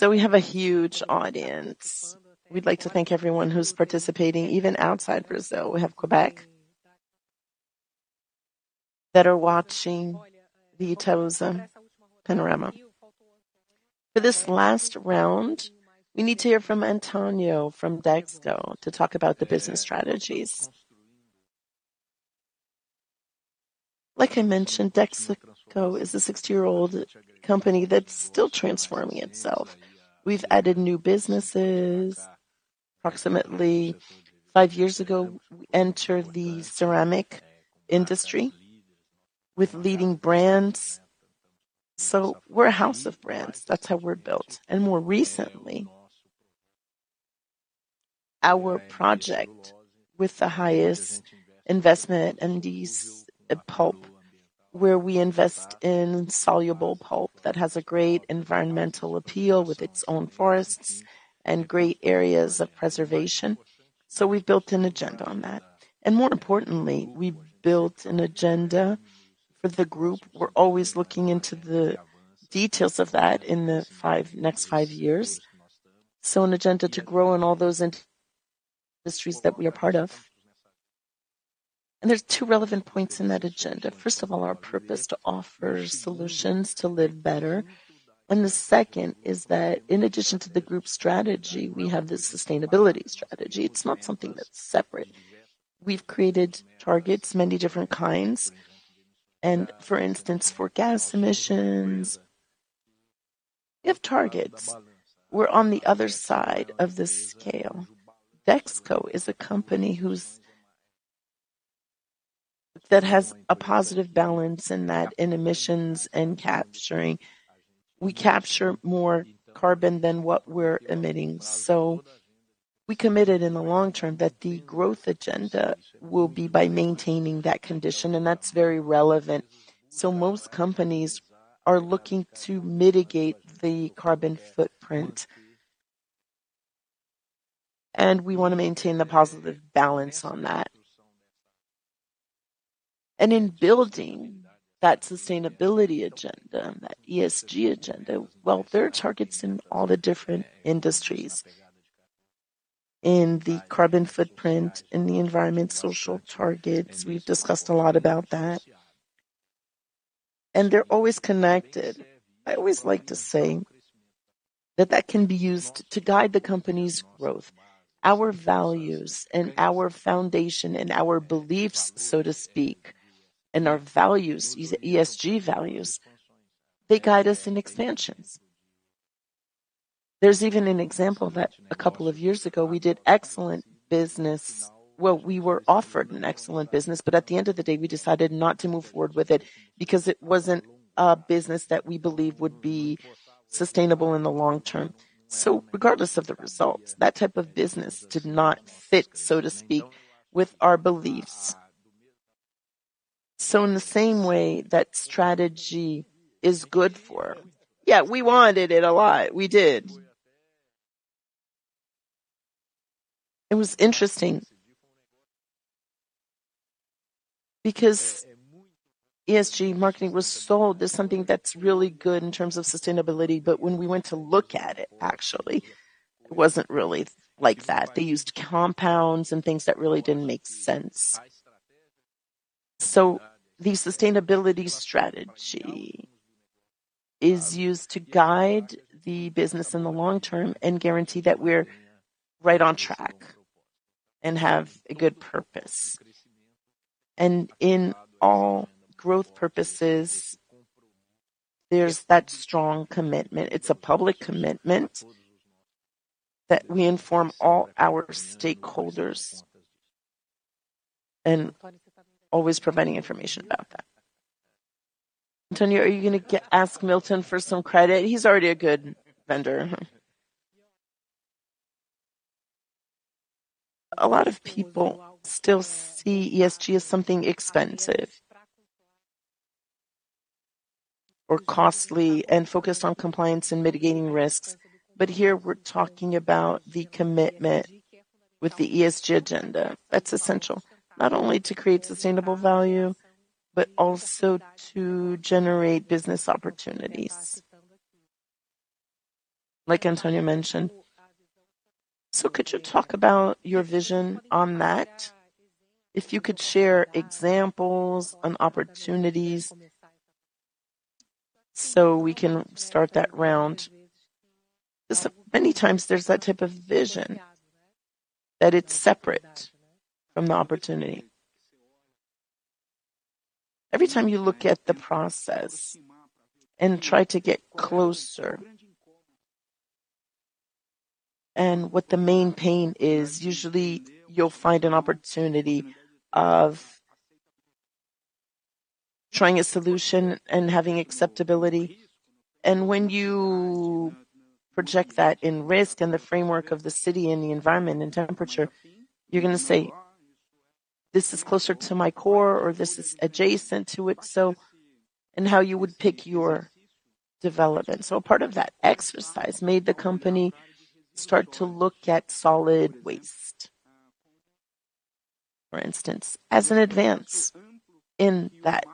We have a huge audience. We'd like to thank everyone who's participating, even outside Brazil. We have Quebec that are watching the Itaúsa Panorama. For this last round, we need to hear from Antonio from Dexco to talk about the business strategies. Like I mentioned, Dexco is a 60-year-old company that's still transforming itself. We've added new businesses. Approximately five years ago, we entered the ceramic industry with leading brands. We're a house of brands. That's how we're built. More recently, our project with the highest investment in the pulp, where we invest in dissolving pulp that has a great environmental appeal with its own forests and great areas of preservation. We built an agenda on that. More importantly, we built an agenda for the group. We're always looking into the details of that in the next five years. An agenda to grow in all those industries that we are part of. There's two relevant points in that agenda. First of all, our purpose to offer solutions to live better. The second is that in addition to the group strategy, we have the sustainability strategy. It's not something that's separate. We've created targets, many different kinds. For instance, for gas emissions, we have targets. We're on the other side of the scale. Dexco is a company that has a positive balance in that in emissions and capturing. We capture more carbon than what we're emitting. We committed in the long term that the growth agenda will be by maintaining that condition, and that's very relevant. Most companies are looking to mitigate the carbon footprint. We wanna maintain the positive balance on that. In building that sustainability agenda, that ESG agenda, well, there are targets in all the different industries. In the carbon footprint, in the environmental social targets, we've discussed a lot about that. They're always connected. I always like to say that that can be used to guide the company's growth. Our values and our foundation and our beliefs, so to speak, and our values, these ESG values, they guide us in expansions. There's even an example that a couple of years ago, we did excellent business. Well, we were offered an excellent business, but at the end of the day, we decided not to move forward with it because it wasn't a business that we believe would be sustainable in the long term. Regardless of the results, that type of business did not fit, so to speak, with our beliefs. In the same way Yeah, we wanted it a lot. We did. It was interesting because ESG marketing was sold as something that's really good in terms of sustainability, but when we went to look at it, actually, it wasn't really like that. They used compounds and things that really didn't make sense. The sustainability strategy is used to guide the business in the long term and guarantee that we're right on track and have a good purpose. In all growth purposes, there's that strong commitment. It's a public commitment that we inform all our stakeholders and always providing information about that. Antonio, are you gonna ask Milton for some credit? He's already a good vendor. A lot of people still see ESG as something expensive or costly and focused on compliance and mitigating risks. Here we're talking about the commitment with the ESG agenda. That's essential, not only to create sustainable value, but also to generate business opportunities, like Antonio mentioned. Could you talk about your vision on that? If you could share examples and opportunities so we can start that round. Many times there's that type of vision that it's separate from the opportunity. Every time you look at the process and try to get closer and what the main pain is, usually you'll find an opportunity of trying a solution and having acceptability. When you project that in risk and the framework of the city and the environment and temperature, you're gonna say, "This is closer to my core," or, "This is adjacent to it." How you would pick your development. A part of that exercise made the company start to look at solid waste, for instance, as an advance in that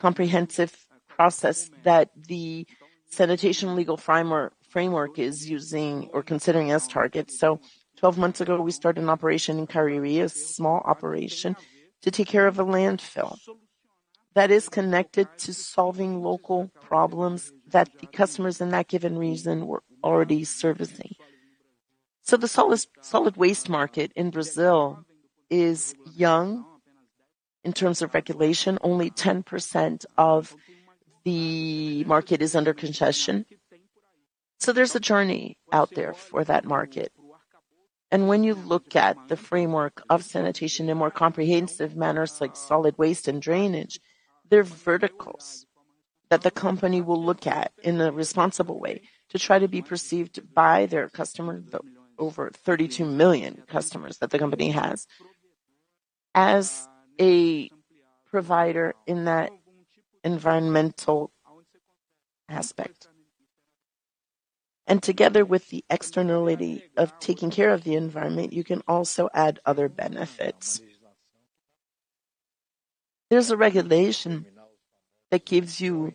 comprehensive process that the sanitation legal framework is using or considering as targets. 12 months ago, we started an operation in Cariri, a small operation, to take care of a landfill that is connected to solving local problems that the customers in that given region were already servicing. The solid waste market in Brazil is young in terms of regulation. Only 10% of the market is under concession. There's a journey out there for that market. When you look at the framework of sanitation in more comprehensive manners like solid waste and drainage, they're verticals that the company will look at in a responsible way to try to be perceived by their customer, the over 32 million customers that the company has, as a provider in that environmental aspect. Together with the externality of taking care of the environment, you can also add other benefits. There's a regulation that gives you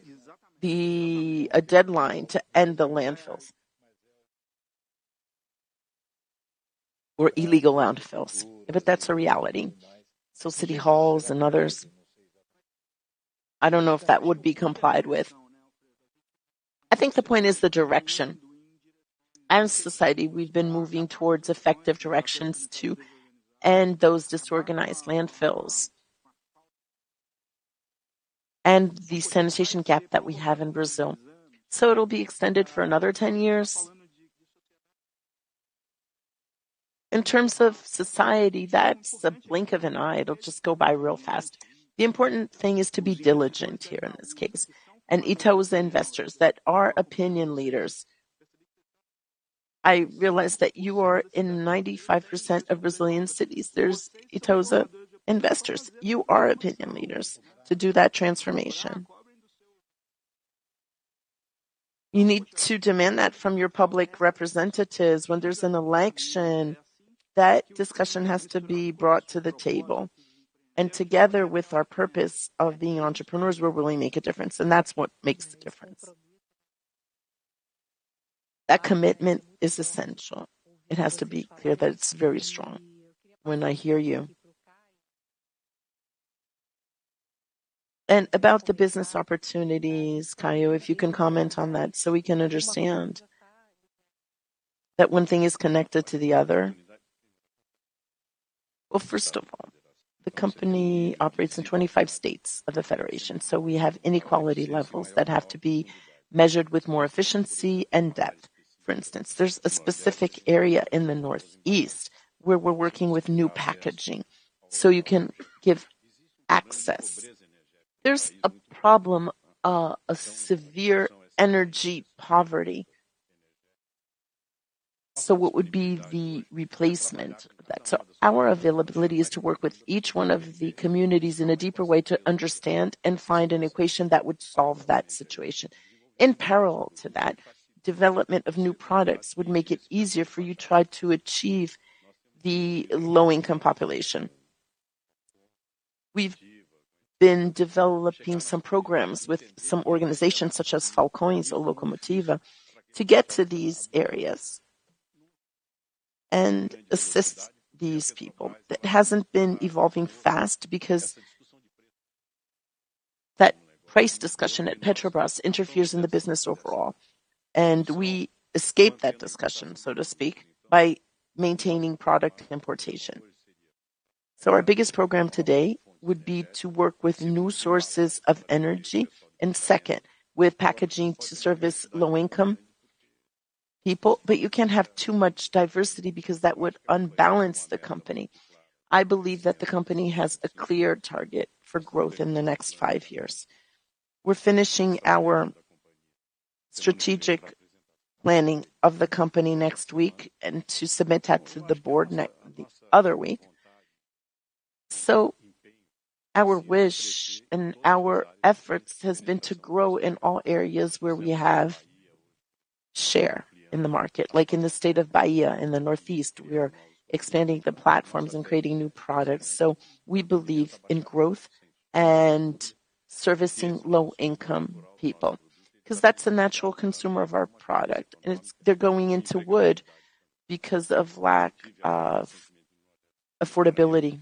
a deadline to end the landfills or illegal landfills, but that's a reality. City halls and others, I don't know if that would be complied with. I think the point is the direction. As a society, we've been moving towards effective directions to end those disorganized landfills and the sanitation gap that we have in Brazil. It'll be extended for another 10 years. In terms of society, that's a blink of an eye. It'll just go by real fast. The important thing is to be diligent here in this case. Itaúsa's investors that are opinion leaders. I realize that you are in 95% of Brazilian cities. There's Itaúsa's investors. You are opinion leaders to do that transformation. You need to demand that from your public representatives. When there's an election, that discussion has to be brought to the table. Together with our purpose of being entrepreneurs, we're willing to make a difference, and that's what makes the difference. That commitment is essential. It has to be clear that it's very strong. When I hear you. About the business opportunities, Caio, if you can comment on that so we can understand that one thing is connected to the other. Well, first of all, the company operates in 25 states of the federation, so we have inequality levels that have to be measured with more efficiency and depth. For instance, there's a specific area in the northeast where we're working with new packaging, so you can give access. There's a problem, a severe energy poverty. What would be the replacement of that? Our availability is to work with each one of the communities in a deeper way to understand and find an equation that would solve that situation. In parallel to that, development of new products would make it easier for you try to achieve the low-income population. We've been developing some programs with some organizations such as Falcões or Locomotiva to get to these areas and assist these people. That hasn't been evolving fast because that price discussion at Petrobras interferes in the business overall, and we escape that discussion, so to speak, by maintaining product importation. Our biggest program today would be to work with new sources of energy, and second, with packaging to service low-income people. You can't have too much diversity because that would unbalance the company. I believe that the company has a clear target for growth in the next five years. We're finishing our strategic planning of the company next week and to submit that to the board the other week. Our wish and our efforts has been to grow in all areas where we have share in the market. Like in the state of Bahia, in the northeast, we are expanding the platforms and creating new products. We believe in growth and servicing low-income people 'cause that's the natural consumer of our product, and they're going into wood because of lack of affordability.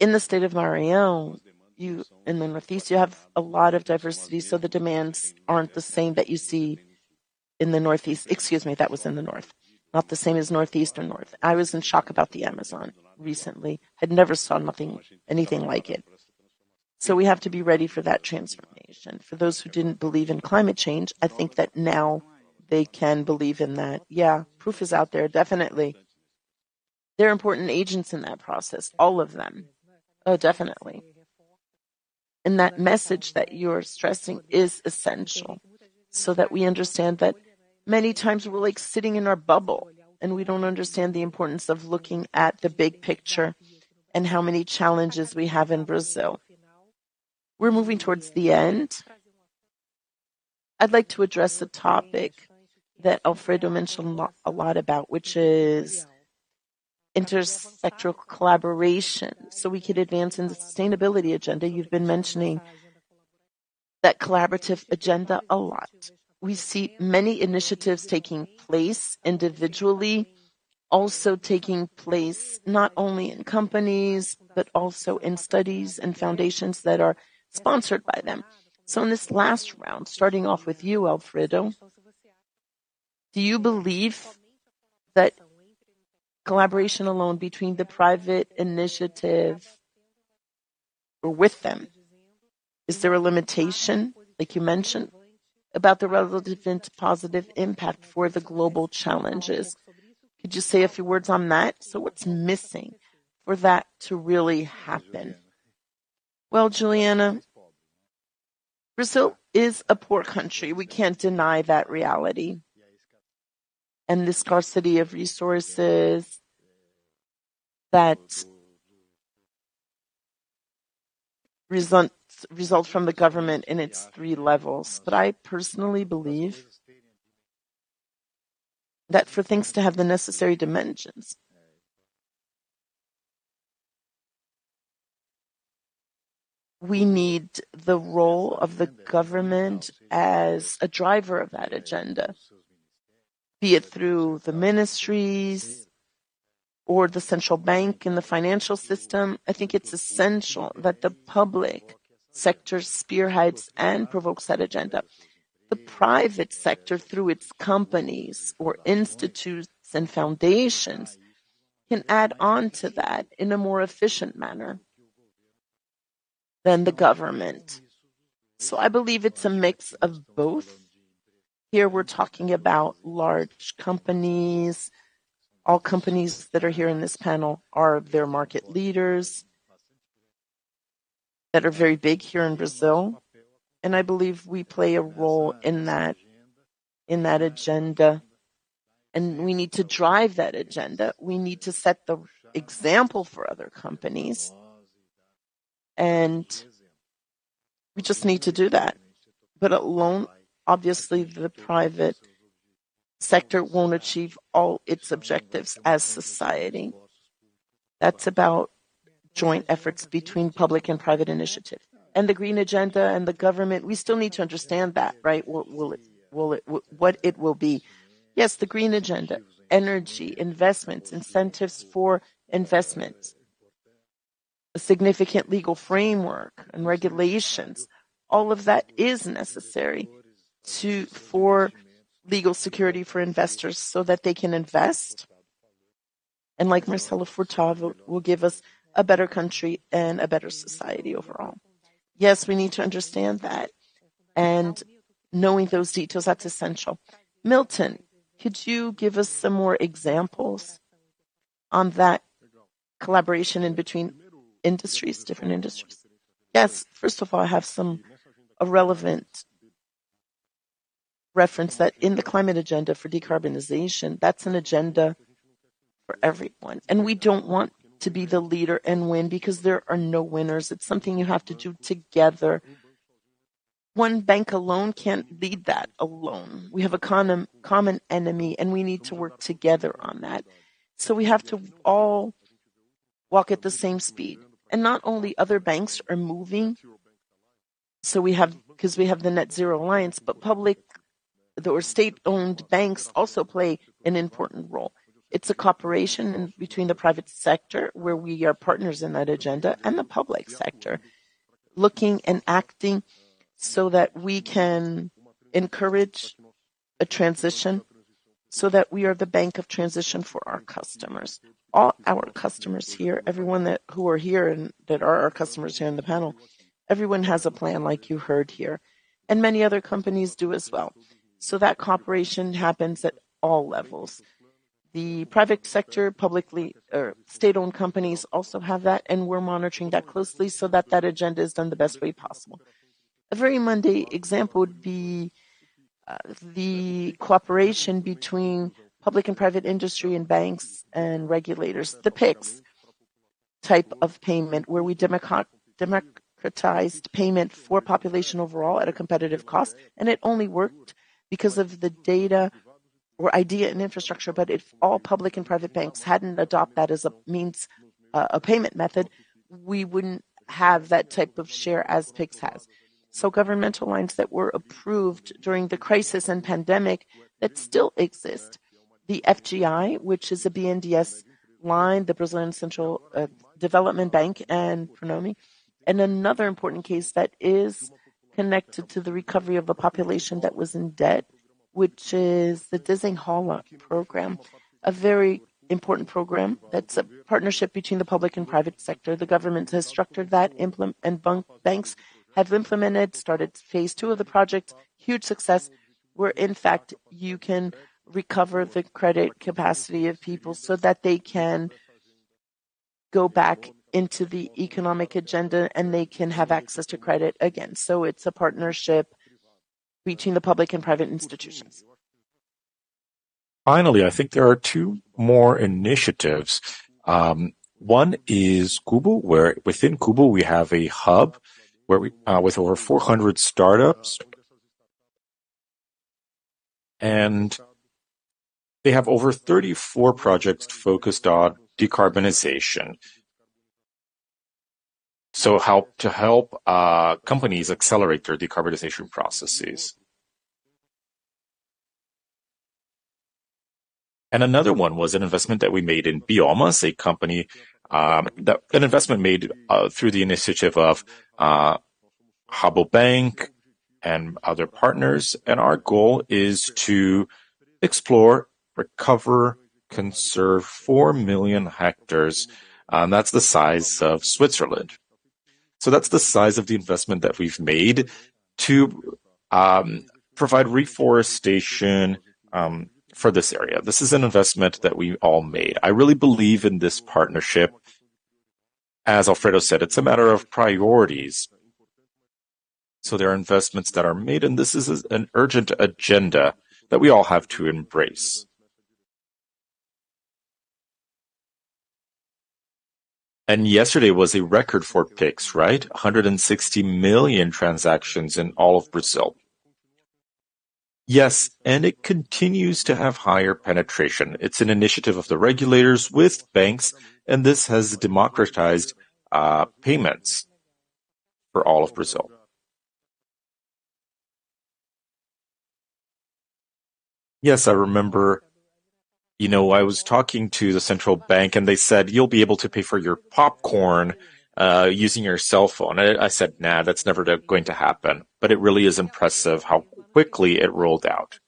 In the state of Maranhão, in the northeast, you have a lot of diversity, so the demands aren't the same that you see in the northeast. Excuse me, that was in the north. Not the same as northeast or north. I was in shock about the Amazon recently. Had never saw anything like it. We have to be ready for that transformation. For those who didn't believe in climate change, I think that now they can believe in that. Yeah. Proof is out there, definitely. They're important agents in that process, all of them. Oh, definitely. That message that you're stressing is essential, so that we understand that many times we're, like, sitting in our bubble, and we don't understand the importance of looking at the big picture and how many challenges we have in Brazil. We're moving towards the end. I'd like to address a topic that Alfredo mentioned a lot about, which is intersectoral collaboration so we could advance in the sustainability agenda. You've been mentioning that collaborative agenda a lot. We see many initiatives taking place individually, also taking place not only in companies, but also in studies and foundations that are sponsored by them. In this last round, starting off with you, Alfredo, do you believe that collaboration alone between the private initiative or with them, is there a limitation, like you mentioned, about the relative positive impact for the global challenges? Could you say a few words on that? What's missing for that to really happen? Well, Juliana, Brazil is a poor country. We can't deny that reality and the scarcity of resources that results from the government in its three levels. I personally believe that for things to have the necessary dimensions, we need the role of the government as a driver of that agenda, be it through the ministries or the central bank and the financial system. I think it's essential that the public sector spearheads and provokes that agenda. The private sector, through its companies or institutes and foundations, can add on to that in a more efficient manner than the government. I believe it's a mix of both. Here we're talking about large companies. All companies that are here in this panel are their market leaders that are very big here in Brazil, and I believe we play a role in that agenda, and we need to drive that agenda. We need to set the example for other companies, and we just need to do that. Alone, obviously, the private sector won't achieve all its objectives as society. That's about joint efforts between public and private initiative. The green agenda and the government, we still need to understand that, right? What it will be. Yes, the green agenda, energy, investments, incentives for investments, a significant legal framework and regulations, all of that is necessary for legal security for investors so that they can invest, and like Marcelo Furtado, will give us a better country and a better society overall. Yes, we need to understand that, and knowing those details, that's essential. Milton, could you give us some more examples on that collaboration in between industries, different industries? Yes. First of all, I have a relevant reference that in the climate agenda for decarbonization, that's an agenda for everyone. We don't want to be the leader and win because there are no winners. It's something you have to do together. One bank alone can't lead that alone. We have a common enemy, and we need to work together on that. We have to all walk at the same speed. Not only other banks are moving, because we have the Net-Zero Alliance, but public or state-owned banks also play an important role. It's a cooperation between the private sector, where we are partners in that agenda, and the public sector, looking and acting so that we can encourage a transition so that we are the bank of transition for our customers. All our customers here, everyone who are here and that are our customers here on the panel, everyone has a plan like you heard here, and many other companies do as well. That cooperation happens at all levels. The private sector, publicly or state-owned companies also have that, and we're monitoring that closely so that that agenda is done the best way possible. A very mundane example would be the cooperation between public and private industry and banks and regulators. The Pix type of payment, where we democratized payment for population overall at a competitive cost, and it only worked because of the data or idea and infrastructure. If all public and private banks hadn't adopt that as a means, a payment method, we wouldn't have that type of share as Pix has. Governmental lines that were approved during the crisis and pandemic that still exist. The FGI, which is a BNDES line, the Brazilian Development Bank, and Pronampe. Another important case that is connected to the recovery of a population that was in debt, which is the Desenrola program, a very important program that's a partnership between the public and private sector. The government has structured that, and banks have implemented and started phase II of the project. Huge success, where in fact you can recover the credit capacity of people so that they can go back into the economic agenda, and they can have access to credit again. It's a partnership between the public and private institutions. Finally, I think there are two more initiatives. One is Cubo, where within Cubo, we have a hub with over 400 startups. They have over 34 projects focused on decarbonization. To help companies accelerate their decarbonization processes. Another one was an investment that we made in Biomas, a company, through the initiative of Rabobank and other partners. Our goal is to explore, recover, conserve 4 million hectares, that's the size of Switzerland. That's the size of the investment that we've made to provide reforestation for this area. This is an investment that we all made. I really believe in this partnership. As Alfredo said, it's a matter of priorities. There are investments that are made, and this is an urgent agenda that we all have to embrace. Yesterday was a record for Pix, right? 160 million transactions in all of Brazil. Yes, it continues to have higher penetration. It's an initiative of the regulators with banks, and this has democratized payments for all of Brazil. Yes, I remember. You know, I was talking to the Central Bank, and they said, "You'll be able to pay for your popcorn using your cell phone." I said, "Nah, that's never going to happen." It really is impressive how quickly it rolled out.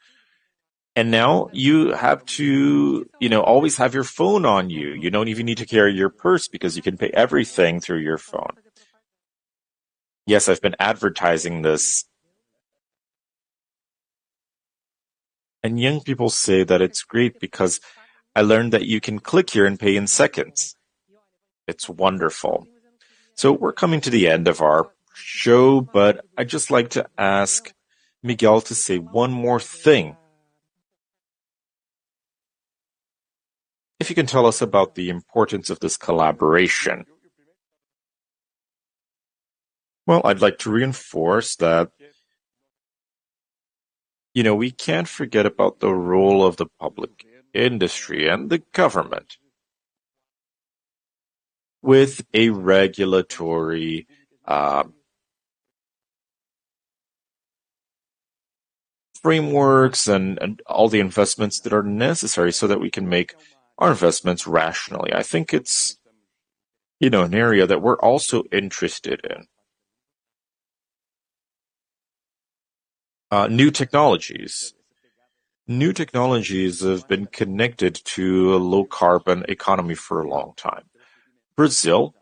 Now you have to, you know, always have your phone on you. You don't even need to carry your purse because you can pay everything through your phone. Yes, I've been advertising this. Young people say that it's great because I learned that you can click here and pay in seconds. It's wonderful. We're coming to the end of our show, but I'd just like to ask Miguel to say one more thing. If you can tell us about the importance of this collaboration. Well, I'd like to reinforce that, you know, we can't forget about the role of the public industry and the government with a regulatory frameworks and all the investments that are necessary so that we can make our investments rationally. I think it's, you know, an area that we're also interested in. New technologies have been connected to a low-carbon economy for a long time. Brazil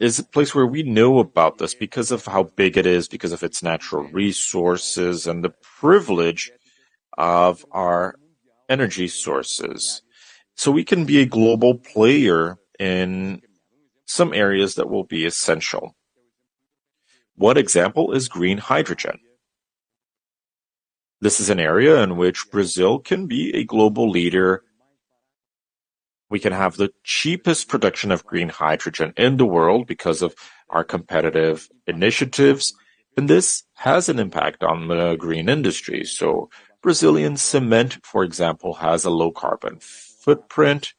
is a place where we know about this because of how big it is, because of its natural resources and the privilege of our energy sources. We can be a global player in some areas that will be essential. One example is green hydrogen. This is an area in which Brazil can be a global leader. We can have the cheapest production of green hydrogen in the world because of our competitive initiatives, and this has an impact on the green industry. Brazilian cement, for example, has a low carbon footprint.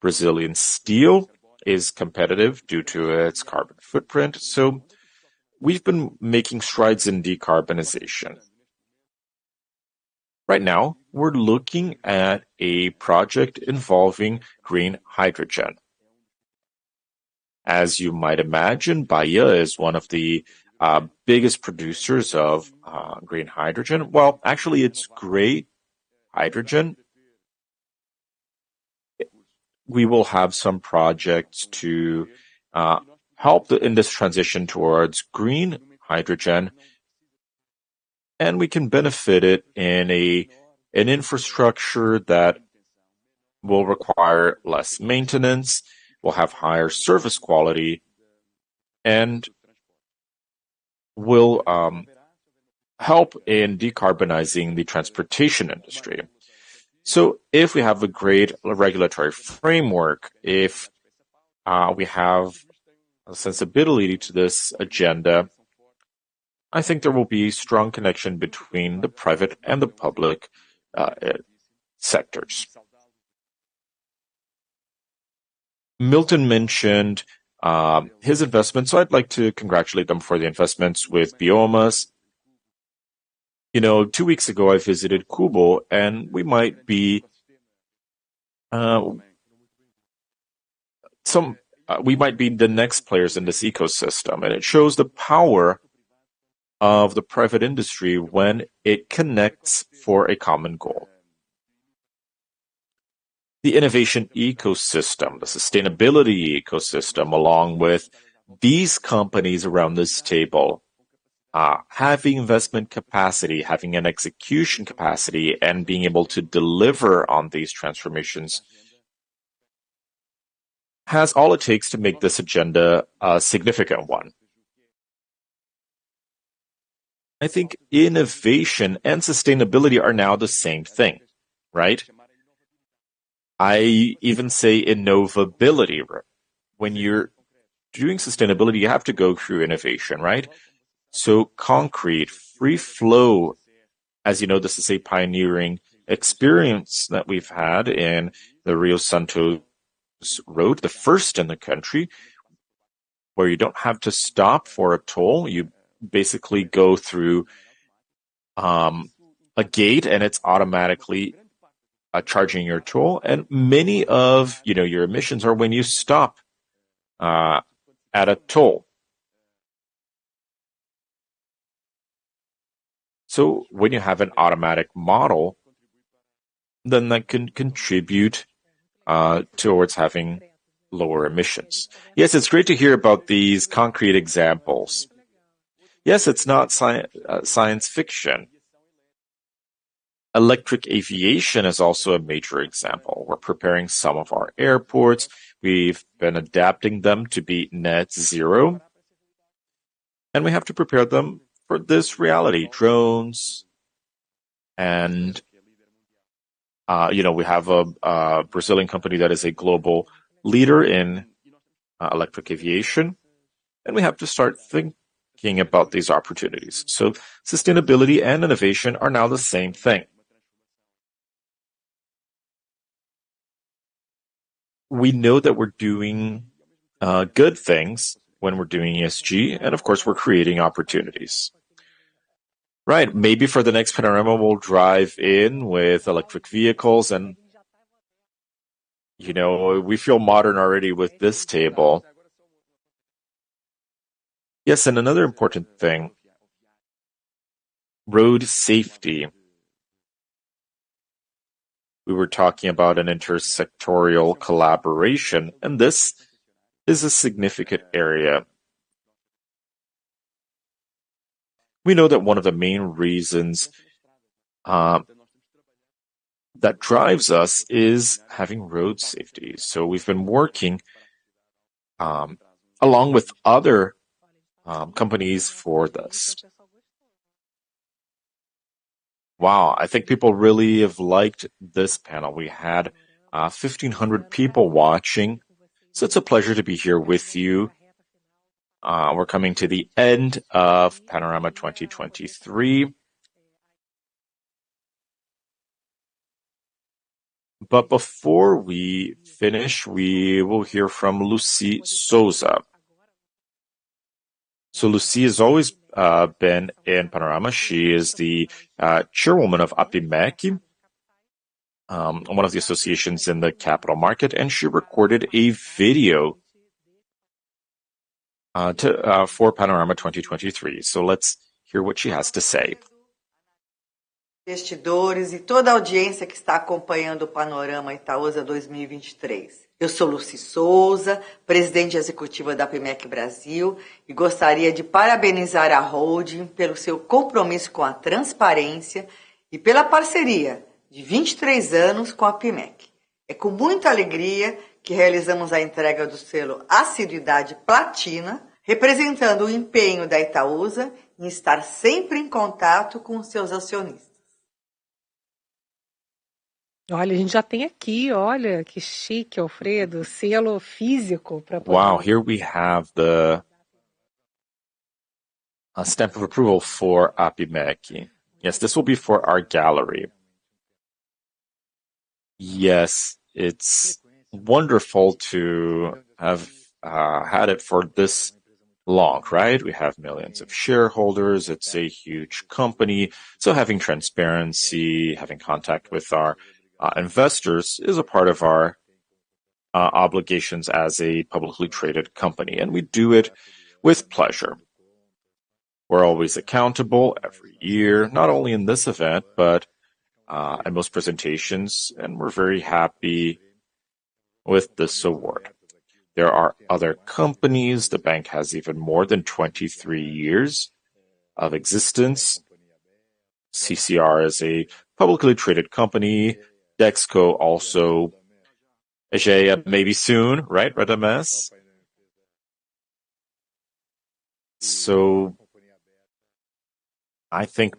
Brazilian steel is competitive due to its carbon footprint, so we've been making strides in decarbonization. Right now, we're looking at a project involving green hydrogen. As you might imagine, Bahia is one of the biggest producers of green hydrogen. Well, actually, it's green hydrogen. We will have some projects to help in this transition towards green hydrogen, and we can benefit it in an infrastructure that will require less maintenance, will have higher service quality, and will help in decarbonizing the transportation industry. If we have a great regulatory framework, if we have a sensibility to this agenda, I think there will be strong connection between the private and the public sectors. Milton mentioned his investment, so I'd like to congratulate them for the investments with Biomas. You know, two weeks ago, I visited Cubo, and we might be the next players in this ecosystem, and it shows the power of the private industry when it connects for a common goal. The innovation ecosystem, the sustainability ecosystem, along with these companies around this table, having investment capacity, having an execution capacity, and being able to deliver on these transformations has all it takes to make this agenda a significant one. I think innovation and sustainability are now the same thing, right? I even say innovability. When you're doing sustainability, you have to go through innovation, right? Concrete, free flow, as you know, this is a pioneering experience that we've had in the Rio-São road, the first in the country, where you don't have to stop for a toll. You basically go through a gate, and it's automatically charging your toll. Many of, you know, your emissions are when you stop at a toll. When you have an automatic model, then that can contribute towards having lower emissions. Yes, it's great to hear about these concrete examples. Yes, it's not science fiction. Electric aviation is also a major example. We're preparing some of our airports. We've been adapting them to be net zero, and we have to prepare them for this reality. Drones and we have a Brazilian company that is a global leader in electric aviation, and we have to start thinking about these opportunities. Sustainability and innovation are now the same thing. We know that we're doing good things when we're doing ESG, and of course, we're creating opportunities. Right. Maybe for the next Panorama, we'll drive in with electric vehicles and, you know, we feel modern already with this table. Yes, another important thing, road safety. We were talking about an intersectoral collaboration, and this is a significant area. We know that one of the main reasons that drives us is having road safety. We've been working along with other companies for this. Wow, I think people really have liked this panel. We had 1,500 people watching. It's a pleasure to be here with you. We're coming to the end of Panorama 2023. Before we finish, we will hear from Lucy Sousa. Lucy has always been in Panorama. She is the chairwoman of Apimec, one of the associations in the capital market, and she recorded a video for Panorama 2023. Let's hear what she has to say. Wow, here we have the stamp of approval for Apimec. Yes, this will be for our gallery. Yes, it's wonderful to have had it for this long, right? We have millions of shareholders. It's a huge company. Having transparency, having contact with our investors is a part of our obligations as a publicly traded company, and we do it with pleasure. We're always accountable every year, not only in this event, but in most presentations, and we're very happy with this award. There are other companies. The bank has even more than 23 years of existence. CCR is a publicly traded company. Dexco also. Aegea maybe soon, right, Radamés?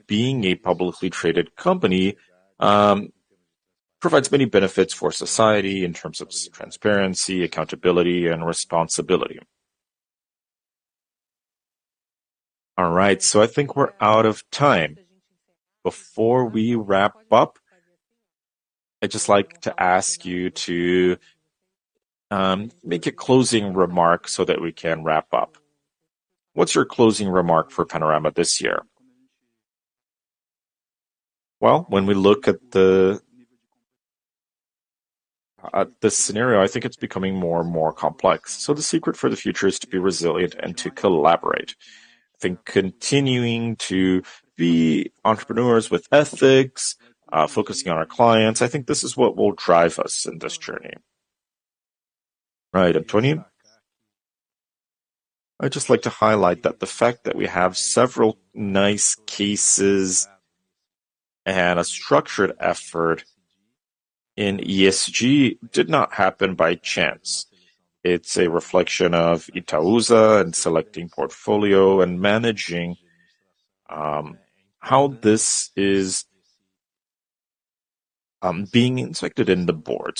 Being a publicly traded company provides many benefits for society in terms of transparency, accountability, and responsibility. All right, I think we're out of time. Before we wrap up, I'd just like to ask you to make a closing remark so that we can wrap up. What's your closing remark for Panorama this year? Well, when we look at the scenario, I think it's becoming more and more complex. The secret for the future is to be resilient and to collaborate. I think continuing to be entrepreneurs with ethics, focusing on our clients, I think this is what will drive us in this journey. Right. Antonio? I'd just like to highlight that the fact that we have several nice cases and a structured effort in ESG did not happen by chance. It's a reflection of Itaúsa and selecting portfolio and managing, how this is being inspected in the board.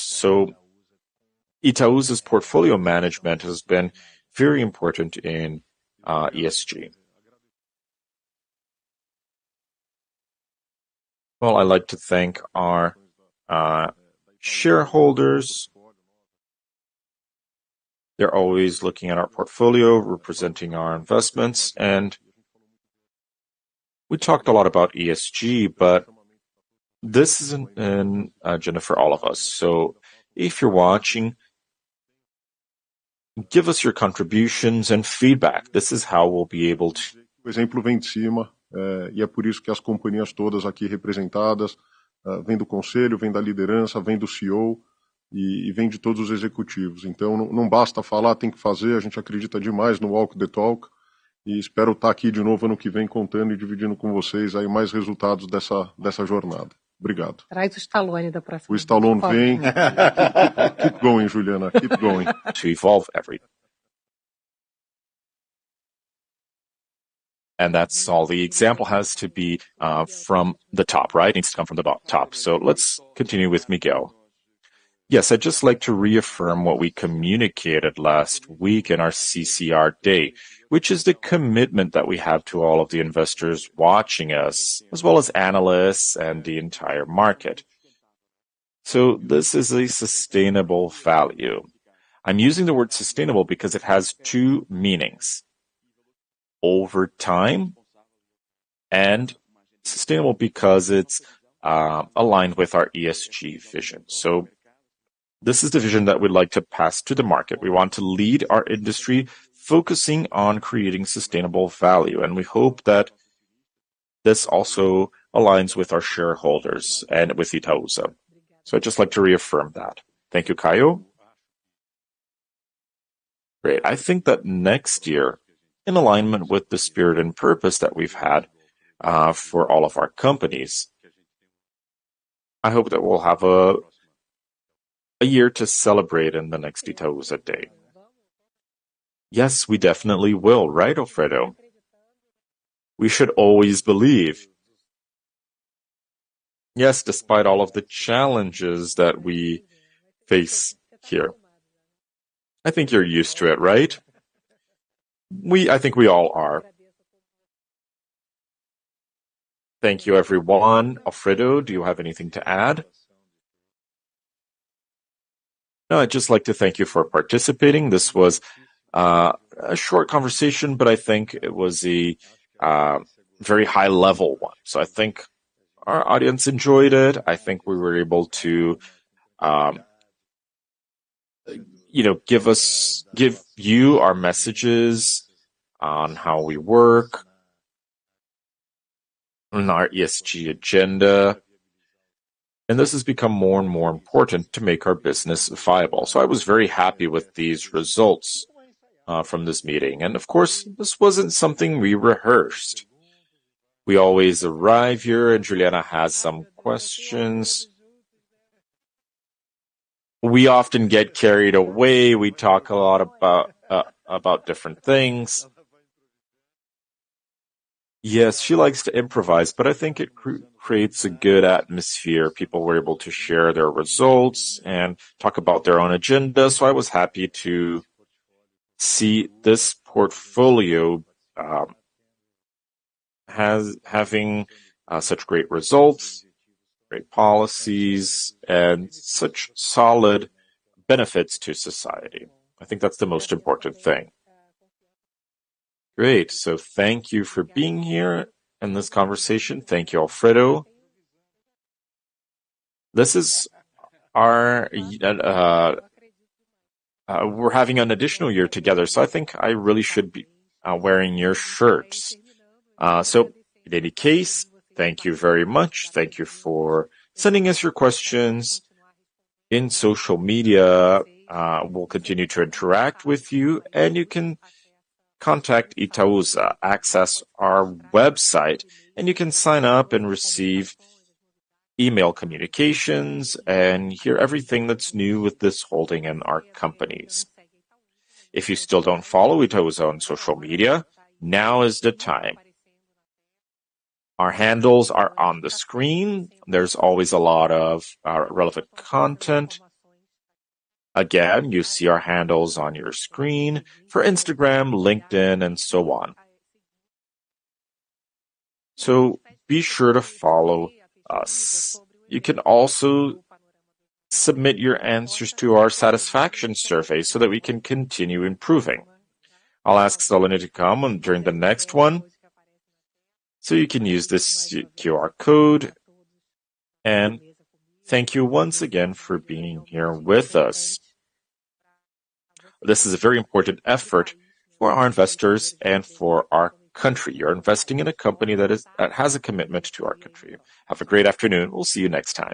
Itaúsa's portfolio management has been very important in ESG. Well, I'd like to thank our shareholders. They're always looking at our portfolio, representing our investments. We talked a lot about ESG, but this is an agenda for all of us. If you're watching, give us your contributions and feedback. This is how we'll be able to. Keep going, Juliana. Keep going. The example has to be from the top, right? It needs to come from the top. Let's continue with Miguel. Yes. I'd just like to reaffirm what we communicated last week in our CCR Day, which is the commitment that we have to all of the investors watching us, as well as analysts and the entire market. This is a sustainable value. I'm using the word sustainable because it has two meanings: over time and sustainable because it's aligned with our ESG vision. This is the vision that we'd like to pass to the market. We want to lead our industry, focusing on creating sustainable value. We hope that this also aligns with our shareholders and with Itaúsa. I'd just like to reaffirm that. Thank you. Caio? Great. I think that next year, in alignment with the spirit and purpose that we've had for all of our companies, I hope that we'll have a year to celebrate in the next Itaúsa Day. Yes, we definitely will, right, Alfredo? We should always believe. Yes, despite all of the challenges that we face here. I think you're used to it, right? I think we all are. Thank you, everyone. Alfredo, do you have anything to add? No, I'd just like to thank you for participating. This was a short conversation, but I think it was a very high-level one. I think our audience enjoyed it. I think we were able to, you know, give you our messages on how we work on our ESG agenda. This has become more and more important to make our business viable. I was very happy with these results from this meeting. Of course, this wasn't something we rehearsed. We always arrive here, and Juliana has some questions. We often get carried away. We talk a lot about different things. Yes, she likes to improvise, but I think it creates a good atmosphere. People were able to share their results and talk about their own agenda. I was happy to see this portfolio having such great results, great policies, and such solid benefits to society. I think that's the most important thing. Great. Thank you for being here in this conversation. Thank you, Alfredo. We're having an additional year together, so I think I really should be wearing your shirts. In any case, thank you very much. Thank you for sending us your questions in social media. We'll continue to interact with you, and you can contact Itaúsa, access our website, and you can sign up and receive email communications and hear everything that's new with this holding in our companies. If you still don't follow Itaúsa on social media, now is the time. Our handles are on the screen. There's always a lot of relevant content. Again, you see our handles on your screen for Instagram, LinkedIn, and so on. Be sure to follow us. You can also submit your answers to our satisfaction survey so that we can continue improving. I'll ask Selene to come and join the next one. You can use this QR code. Thank you once again for being here with us. This is a very important effort for our investors and for our country. You're investing in a company that has a commitment to our country. Have a great afternoon. We'll see you next time.